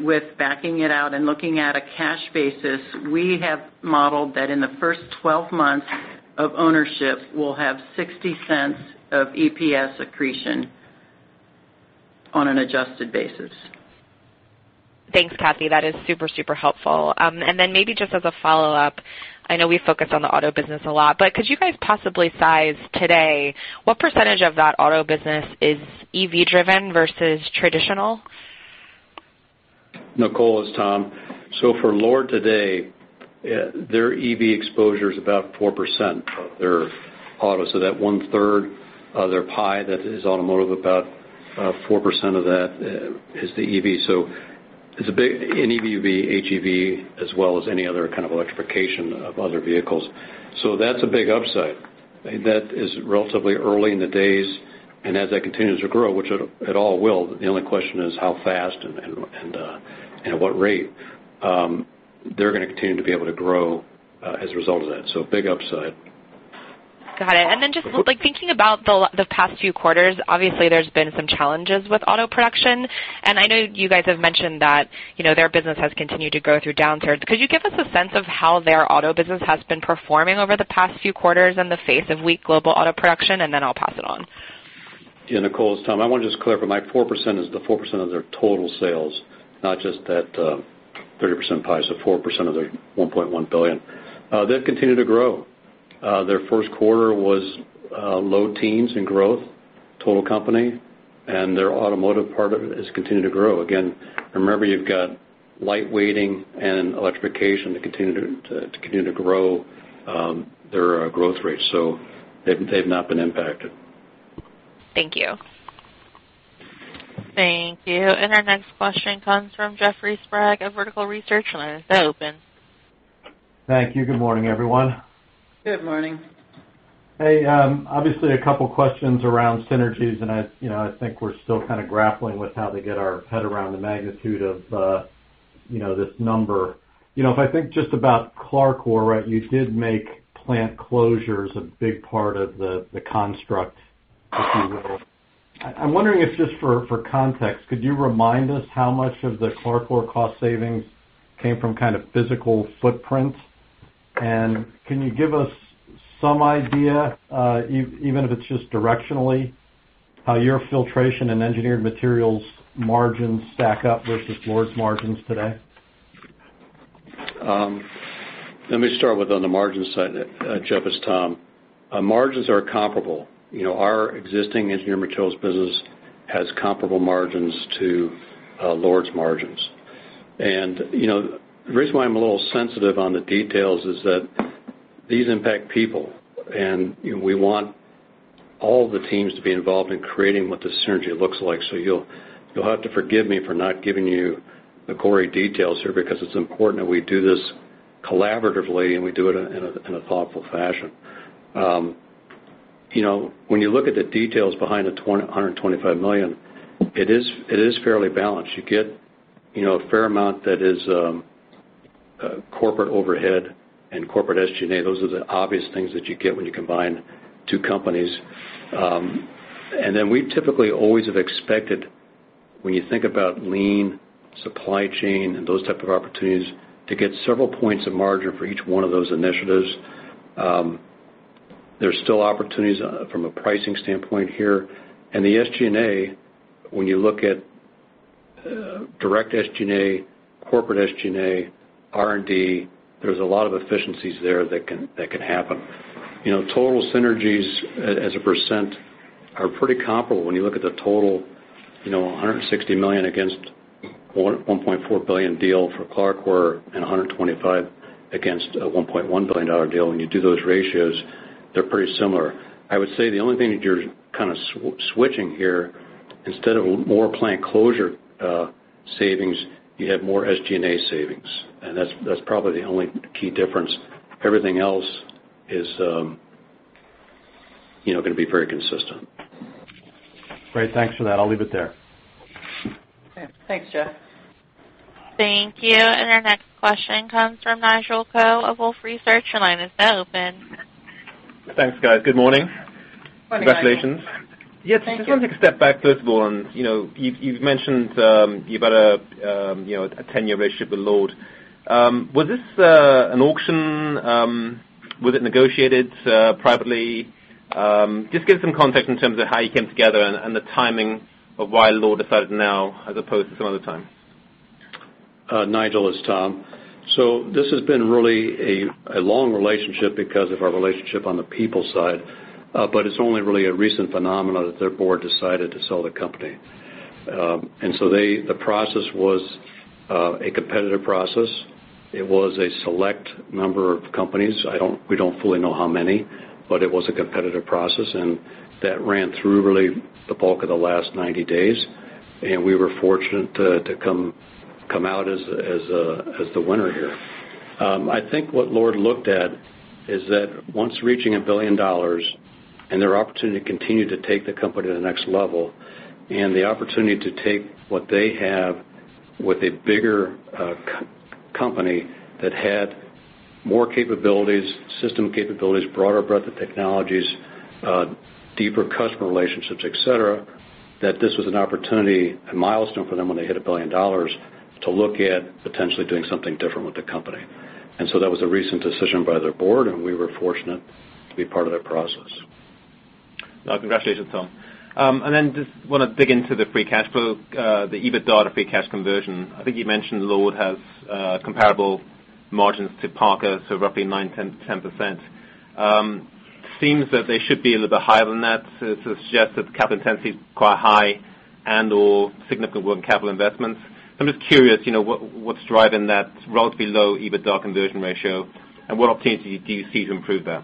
with backing it out and looking at a cash basis, we have modeled that in the first 12 months of ownership, we'll have $0.60 of EPS accretion on an adjusted basis. Thanks, Cathy. That is super helpful. Then maybe just as a follow-up, I know we focus on the auto business a lot, could you guys possibly size today what % of that auto business is EV-driven versus traditional? Nicole, it's Tom. For LORD today, their EV exposure is about 4% of their autos. That 1/3 of their pie that is automotive, about 4% of that is the EV. Any EV, HEV, as well as any other kind of electrification of other vehicles. That's a big upside. That is relatively early in the days, as that continues to grow, which it all will, the only question is how fast and at what rate, they're going to continue to be able to grow, as a result of that. Big upside. Got it. Then just thinking about the past few quarters, obviously there's been some challenges with auto production. I know you guys have mentioned that their business has continued to grow through downturns. Could you give us a sense of how their auto business has been performing over the past few quarters in the face of weak global auto production? Then I'll pass it on. Yeah, Nicole, it's Tom. I want to just clarify, my 4% is the 4% of their total sales, not just that 30% pie. 4% of their $1.1 billion. They've continued to grow. Their first quarter was low teens in growth, total company, and their automotive part of it has continued to grow. Again, remember you've got lightweighting and electrification to continue to grow their growth rates. They've not been impacted. Thank you. Thank you. Our next question comes from Jeffrey Sprague of Vertical Research, and the line is now open. Thank you. Good morning, everyone. Good morning. Obviously a couple questions around synergies, I think we're still kind of grappling with how to get our head around the magnitude of this number. If I think just about CLARCOR, you did make plant closures a big part of the construct, if you will. I'm wondering if just for context, could you remind us how much of the CLARCOR cost savings came from kind of physical footprint? Can you give us some idea, even if it's just directionally, how your filtration and engineered materials margins stack up versus LORD's margins today? Let me start with on the margin side, Jeff, it's Tom. Margins are comparable. Our existing engineered materials business has comparable margins to LORD's margins. The reason why I'm a little sensitive on the details is that these impact people. We want all the teams to be involved in creating what the synergy looks like. You'll have to forgive me for not giving you the gory details here, because it's important that we do this collaboratively, we do it in a thoughtful fashion. When you look at the details behind the $125 million, it is fairly balanced. You get a fair amount that is corporate overhead and corporate SG&A. Those are the obvious things that you get when you combine two companies. We typically always have expected, when you think about lean supply chain and those type of opportunities, to get several points of margin for each one of those initiatives. There's still opportunities from a pricing standpoint here. The SG&A, when you look at direct SG&A, corporate SG&A, R&D, there's a lot of efficiencies there that can happen. Total synergies as a percent are pretty comparable when you look at the total $160 million against a $1.4 billion deal for CLARCOR or a $125 against a $1.1 billion deal. When you do those ratios, they're pretty similar. I would say the only thing that you're kind of switching here, instead of more plant closure savings, you have more SG&A savings. That's probably the only key difference. Everything else is going to be very consistent. Great. Thanks for that. I'll leave it there. Okay. Thanks, Jeff. Thank you. Our next question comes from Nigel Coe of Wolfe Research. Your line is now open. Thanks, guys. Good morning. Morning, Nigel. Congratulations. Thank you. Yes, just wanted to take a step back first of all. You've mentioned you've had a 10-year relationship with LORD. Was this an auction? Was it negotiated privately? Just give some context in terms of how you came together and the timing of why LORD decided now as opposed to some other time. Nigel, it's Tom. This has been really a long relationship because of our relationship on the people side. It's only really a recent phenomenon that their board decided to sell the company. The process was a competitive process. It was a select number of companies. We don't fully know how many, but it was a competitive process, and that ran through really the bulk of the last 90 days, and we were fortunate to come out as the winner here. I think what LORD looked at is that once reaching $1 billion and their opportunity to continue to take the company to the next level, and the opportunity to take what they have with a bigger company that had more capabilities, system capabilities, broader breadth of technologies, deeper customer relationships, et cetera, that this was an opportunity, a milestone for them when they hit $1 billion to look at potentially doing something different with the company. That was a recent decision by their board, and we were fortunate to be part of that process. Congratulations, Tom. Just want to dig into the free cash flow, the EBITDA to free cash conversion. I think you mentioned LORD has comparable margins to Parker, so roughly 9%-10%. Seems that they should be a little bit higher than that, so it suggests that the capital intensity is quite high and/or significant work capital investments. I'm just curious, what's driving that relatively low EBITDA conversion ratio, and what opportunities do you see to improve that?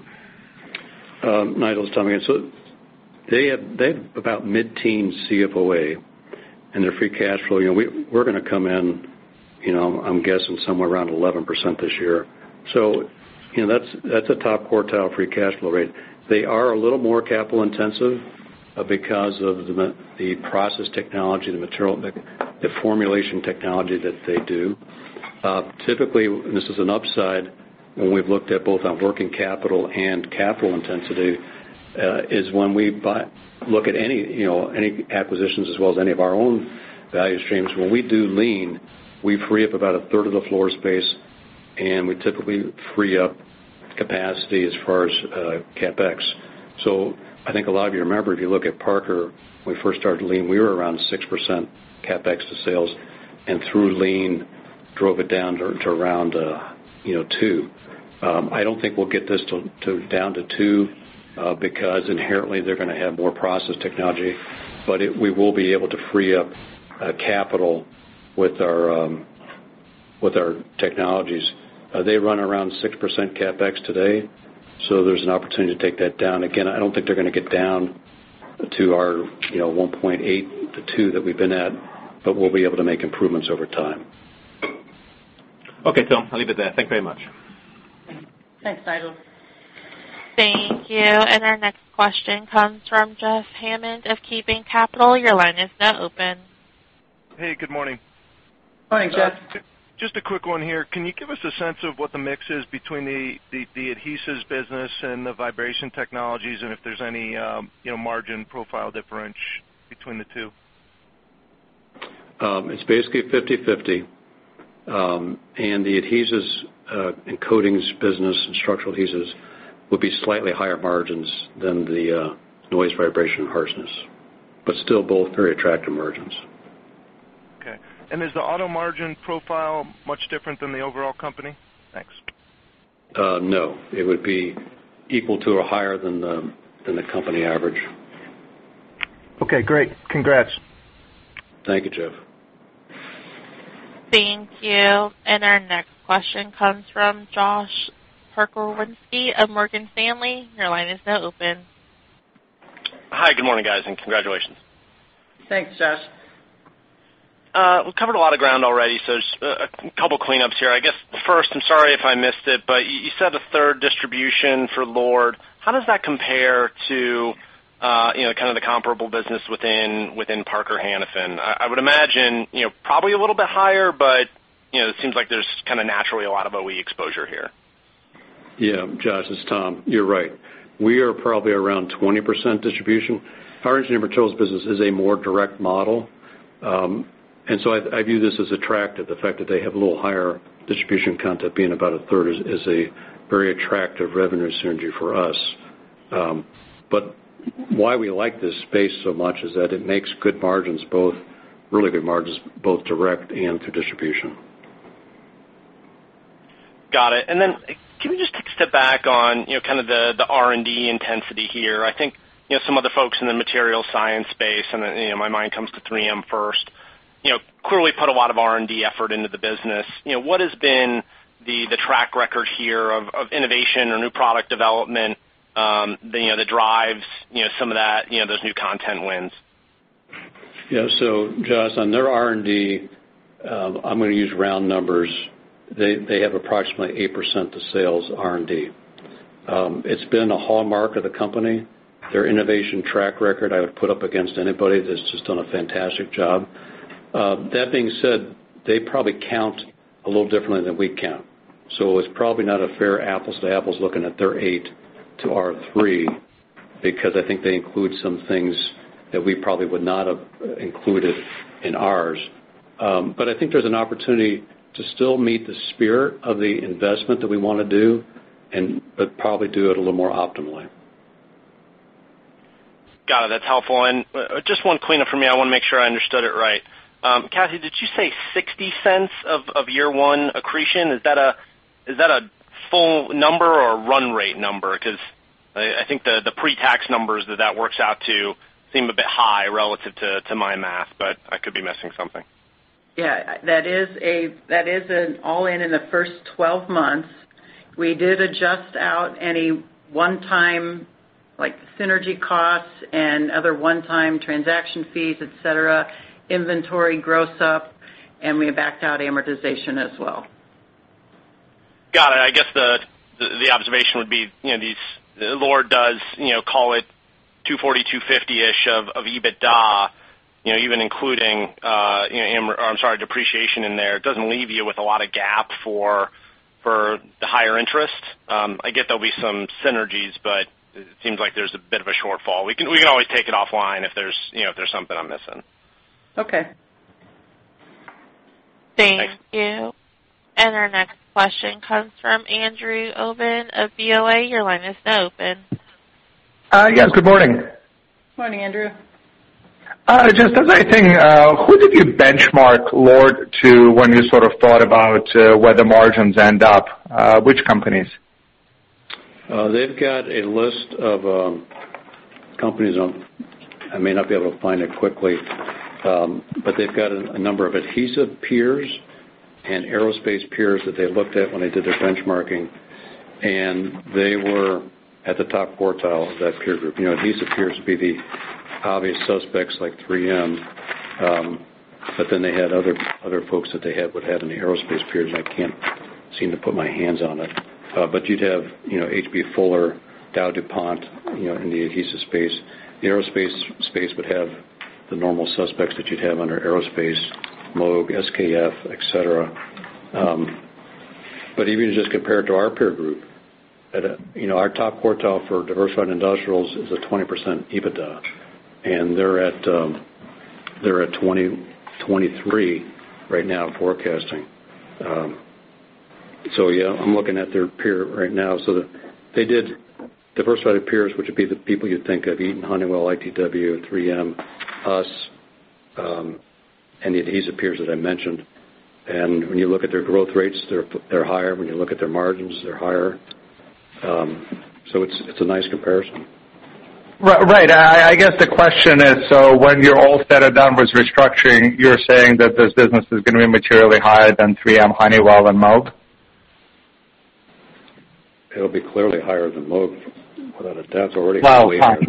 Nigel, it's Tom again. They have about mid-teen CFOA, and their free cash flow, we're going to come in, I'm guessing somewhere around 11% this year. That's a top quartile free cash flow rate. They are a little more capital intensive because of the process technology, the material, the formulation technology that they do. Typically, this is an upside when we've looked at both on working capital and capital intensity, is when we look at any acquisitions as well as any of our own value streams. When we do Lean, we free up about 1/3 of the floor space, and we typically free up capacity as far as CapEx. I think a lot of you remember, if you look at Parker, when we first started Lean, we were around 6% CapEx to sales, and through Lean, drove it down to around 2%. I don't think we'll get this down to 2%, because inherently they're going to have more process technology. We will be able to free up capital with our technologies. They run around 6% CapEx today, there's an opportunity to take that down. Again, I don't think they're going to get down to our 1.8%-2% that we've been at, but we'll be able to make improvements over time. Okay, Tom. I'll leave it there. Thank you very much. Thanks, Nigel. Thank you. Our next question comes from Jeff Hammond of KeyBanc Capital Markets. Your line is now open. Hey, good morning. Morning, Jeff. Just a quick one here. Can you give us a sense of what the mix is between the adhesives business and the vibration technologies, and if there's any margin profile difference between the two? It's basically 50/50. The adhesives and coatings business and structural adhesives would be slightly higher margins than the noise, vibration, and harshness. Still both very attractive margins. Okay. Is the auto margin profile much different than the overall company? Thanks. It would be equal to or higher than the company average. Great. Congrats. Thank you, Jeff. Thank you. Our next question comes from Josh Pokrzywinski of Morgan Stanley. Your line is now open. Hi, good morning, guys, and congratulations. Thanks, Josh. We've covered a lot of ground already, just a couple cleanups here. I guess first, I'm sorry if I missed it, you said 1/3 distribution for LORD. How does that compare to the comparable business within Parker-Hannifin? I would imagine, probably a little bit higher, it seems like there's kind of naturally a lot of OE exposure here. Yeah, Josh, it's Tom. You're right. We are probably around 20% distribution. Our engineering materials business is a more direct model. I view this as attractive. The fact that they have a little higher distribution content, being about a third, is a very attractive revenue synergy for us. Why we like this space so much is that it makes good margins, really good margins, both direct and through distribution. Got it. Can we just take a step back on the R&D intensity here? I think some of the folks in the material science space, my mind comes to 3M first, clearly put a lot of R&D effort into the business. What has been the track record here of innovation or new product development that drives some of those new content wins? Yeah. Josh, on their R&D, I'm going to use round numbers. They have approximately 8% of sales R&D. It's been a hallmark of the company. Their innovation track record, I would put up against anybody, that's just done a fantastic job. That being said, they probably count a little differently than we count. It's probably not a fair apples to apples looking at their 8% to our 3%, because I think they include some things that we probably would not have included in ours. I think there's an opportunity to still meet the spirit of the investment that we want to do, but probably do it a little more optimally. Got it. That's helpful. Just one cleanup from me. I want to make sure I understood it right. Cathy, did you say $0.60 of year one accretion? Is that a full number or a run rate number? I think the pre-tax numbers that that works out to seem a bit high relative to my math, but I could be missing something. Yeah, that is an all-in in the first 12 months. We did adjust out any one-time synergy costs and other one-time transaction fees, et cetera, inventory gross up, and we backed out amortization as well. Got it. I guess the observation would be, LORD does call it 240, 250-ish of EBITDA, even including depreciation in there. It doesn't leave you with a lot of gap for the higher interest. I get there'll be some synergies, but it seems like there's a bit of a shortfall. We can always take it offline if there's something I'm missing. Okay. Thanks. Thank you. Our next question comes from Andrew Obin of Bank of America. Your line is now open. Yes, good morning. Morning, Andrew. Just a nice thing. Who did you benchmark LORD to when you sort of thought about where the margins end up? Which companies? They've got a list of companies. I may not be able to find it quickly. They've got a number of adhesive peers and aerospace peers that they looked at when they did their benchmarking, and they were at the top quartile of that peer group. Adhesive peers would be the obvious suspects like 3M. They had other folks that they would have in the aerospace peers, and I can't seem to put my hands on it. You'd have H.B. Fuller, DowDuPont in the adhesive space. The aerospace space would have the normal suspects that you'd have under aerospace, Moog, SKF, et cetera. Even just compared to our peer group, our top quartile for diversified industrials is a 20% EBITDA, and they're at 23% right now in forecasting. Yeah, I'm looking at their peer right now. They did diversified peers, which would be the people you'd think of, Eaton, Honeywell, ITW, 3M, us, and the adhesive peers that I mentioned. When you look at their growth rates, they're higher. When you look at their margins, they're higher. It's a nice comparison. Right. I guess the question is, when you're all said and done with restructuring, you're saying that this business is going to be materially higher than 3M, Honeywell, and Moog? It'll be clearly higher than Moog. Well, fine.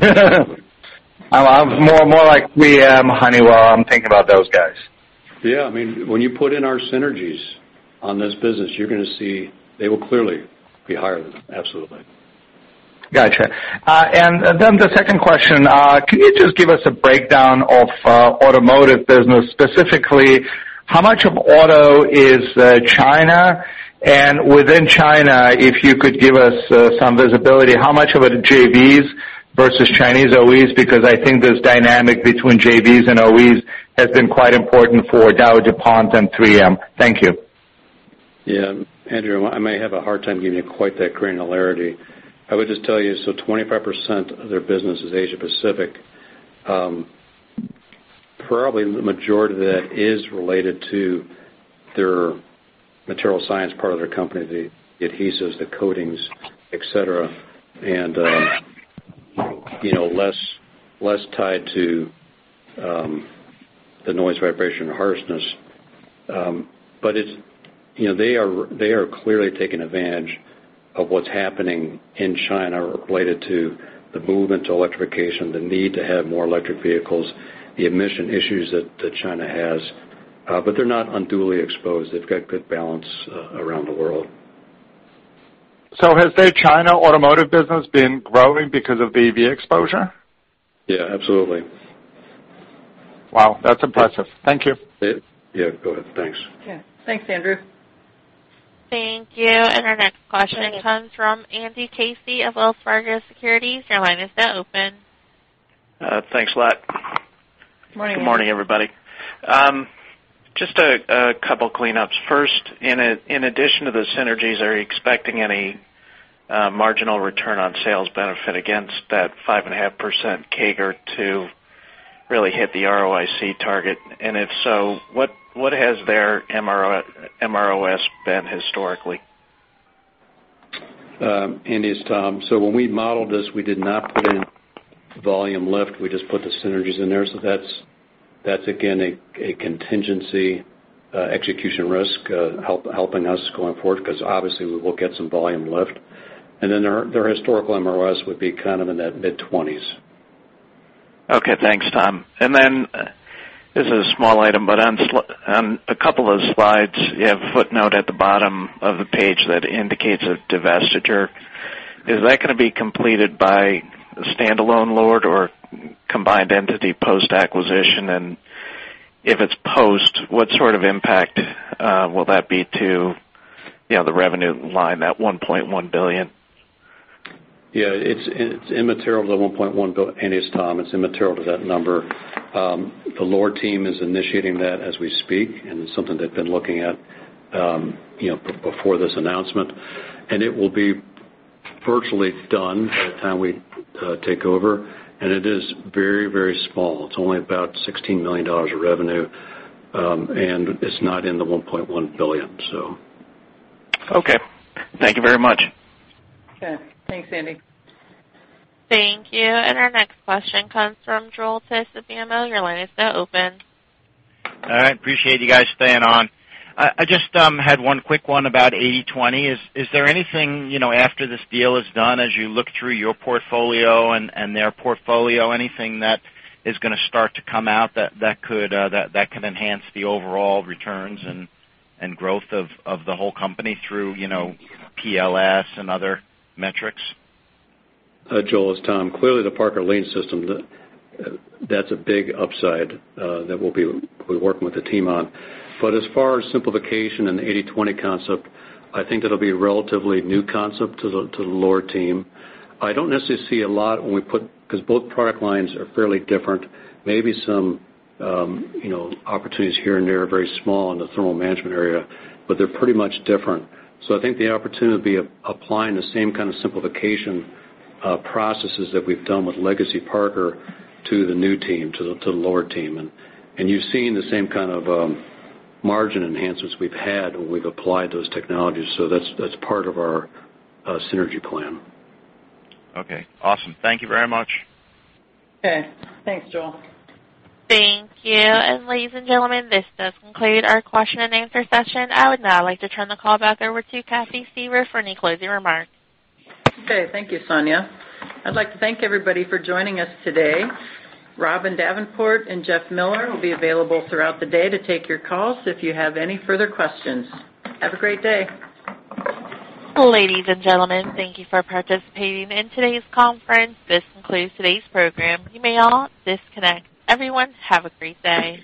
More like 3M, Honeywell. I'm thinking about those guys. Yeah. When you put in our synergies on this business, you're going to see they will clearly be higher than them. Absolutely. Got you. The second question, can you just give us a breakdown of automotive business, specifically how much of auto is China? Within China, if you could give us some visibility, how much of it are JVs versus Chinese OEs? Because I think this dynamic between JVs and OEs has been quite important for DowDuPont and 3M. Thank you. Yeah. Andrew, I may have a hard time giving you quite that granularity. I would just tell you, 25% of their business is Asia Pacific. Probably the majority of that is related to their material science part of their company, the adhesives, the coatings, et cetera. Less tied to the noise, vibration, and harshness. They are clearly taking advantage of what's happening in China related to the movement to electrification, the need to have more electric vehicles, the emission issues that China has. They're not unduly exposed. They've got good balance around the world. Has their China automotive business been growing because of the EV exposure? Yeah, absolutely. Wow. That's impressive. Thank you. Yeah, go ahead. Thanks. Okay. Thanks, Andrew. Thank you. Our next question comes from Andrew Casey of Wells Fargo Securities. Your line is now open. Thanks a lot. Morning, Andy. Good morning, everybody. Just a couple cleanups. First, in addition to the synergies, are you expecting any marginal return on sales benefit against that 5.5% CAGR to really hit the ROIC target? If so, what has their MROS been historically? Andy, it's Tom. When we modeled this, we did not put in volume lift. We just put the synergies in there. That's, again, a contingency execution risk helping us going forward because obviously we will get some volume lift. Their historical MROS would be kind of in that mid-twenties. Okay, thanks, Tom. This is a small item, on a couple of slides, you have a footnote at the bottom of the page that indicates a divestiture. Is that going to be completed by standalone LORD or combined entity post-acquisition? If it's post, what sort of impact will that be to the revenue line, that $1.1 billion? Yeah, it's immaterial to the $1.1 billion, Andy, it's Tom. It's immaterial to that number. The LORD team is initiating that as we speak. It's something they've been looking at before this announcement. It will be virtually done by the time we take over. It is very, very small. It's only about $16 million of revenue. It's not in the $1.1 billion. Okay. Thank you very much. Okay. Thanks, Andy. Thank you. Our next question comes from Joel Tiss of BMO Capital Markets. Your line is now open. All right. Appreciate you guys staying on. I just had one quick one about 80/20. Is there anything, after this deal is done, as you look through your portfolio and their portfolio, anything that is going to start to come out that could enhance the overall returns and growth of the whole company through PLS and other metrics? Joel, it's Tom. Clearly, the Parker Lean System, that's a big upside that we'll be working with the team on. As far as simplification and the 80/20 concept, I think that'll be a relatively new concept to the LORD team. I don't necessarily see a lot when we put because both product lines are fairly different. Maybe some opportunities here and there are very small in the thermal management area, but they're pretty much different. I think the opportunity will be applying the same kind of simplification processes that we've done with Legacy Parker to the new team, to the LORD team. You've seen the same kind of margin enhancements we've had when we've applied those technologies. That's part of our synergy plan. Okay, awesome. Thank you very much. Okay, thanks, Joel. Thank you. Ladies and gentlemen, this does conclude our question and answer session. I would now like to turn the call back over to Cathy Suever for any closing remarks. Okay, thank you, Sonia. I'd like to thank everybody for joining us today. Robin Davenport and Jeff Miller will be available throughout the day to take your calls if you have any further questions. Have a great day. Ladies and gentlemen, thank you for participating in today's conference. This concludes today's program. You may all disconnect. Everyone, have a great day.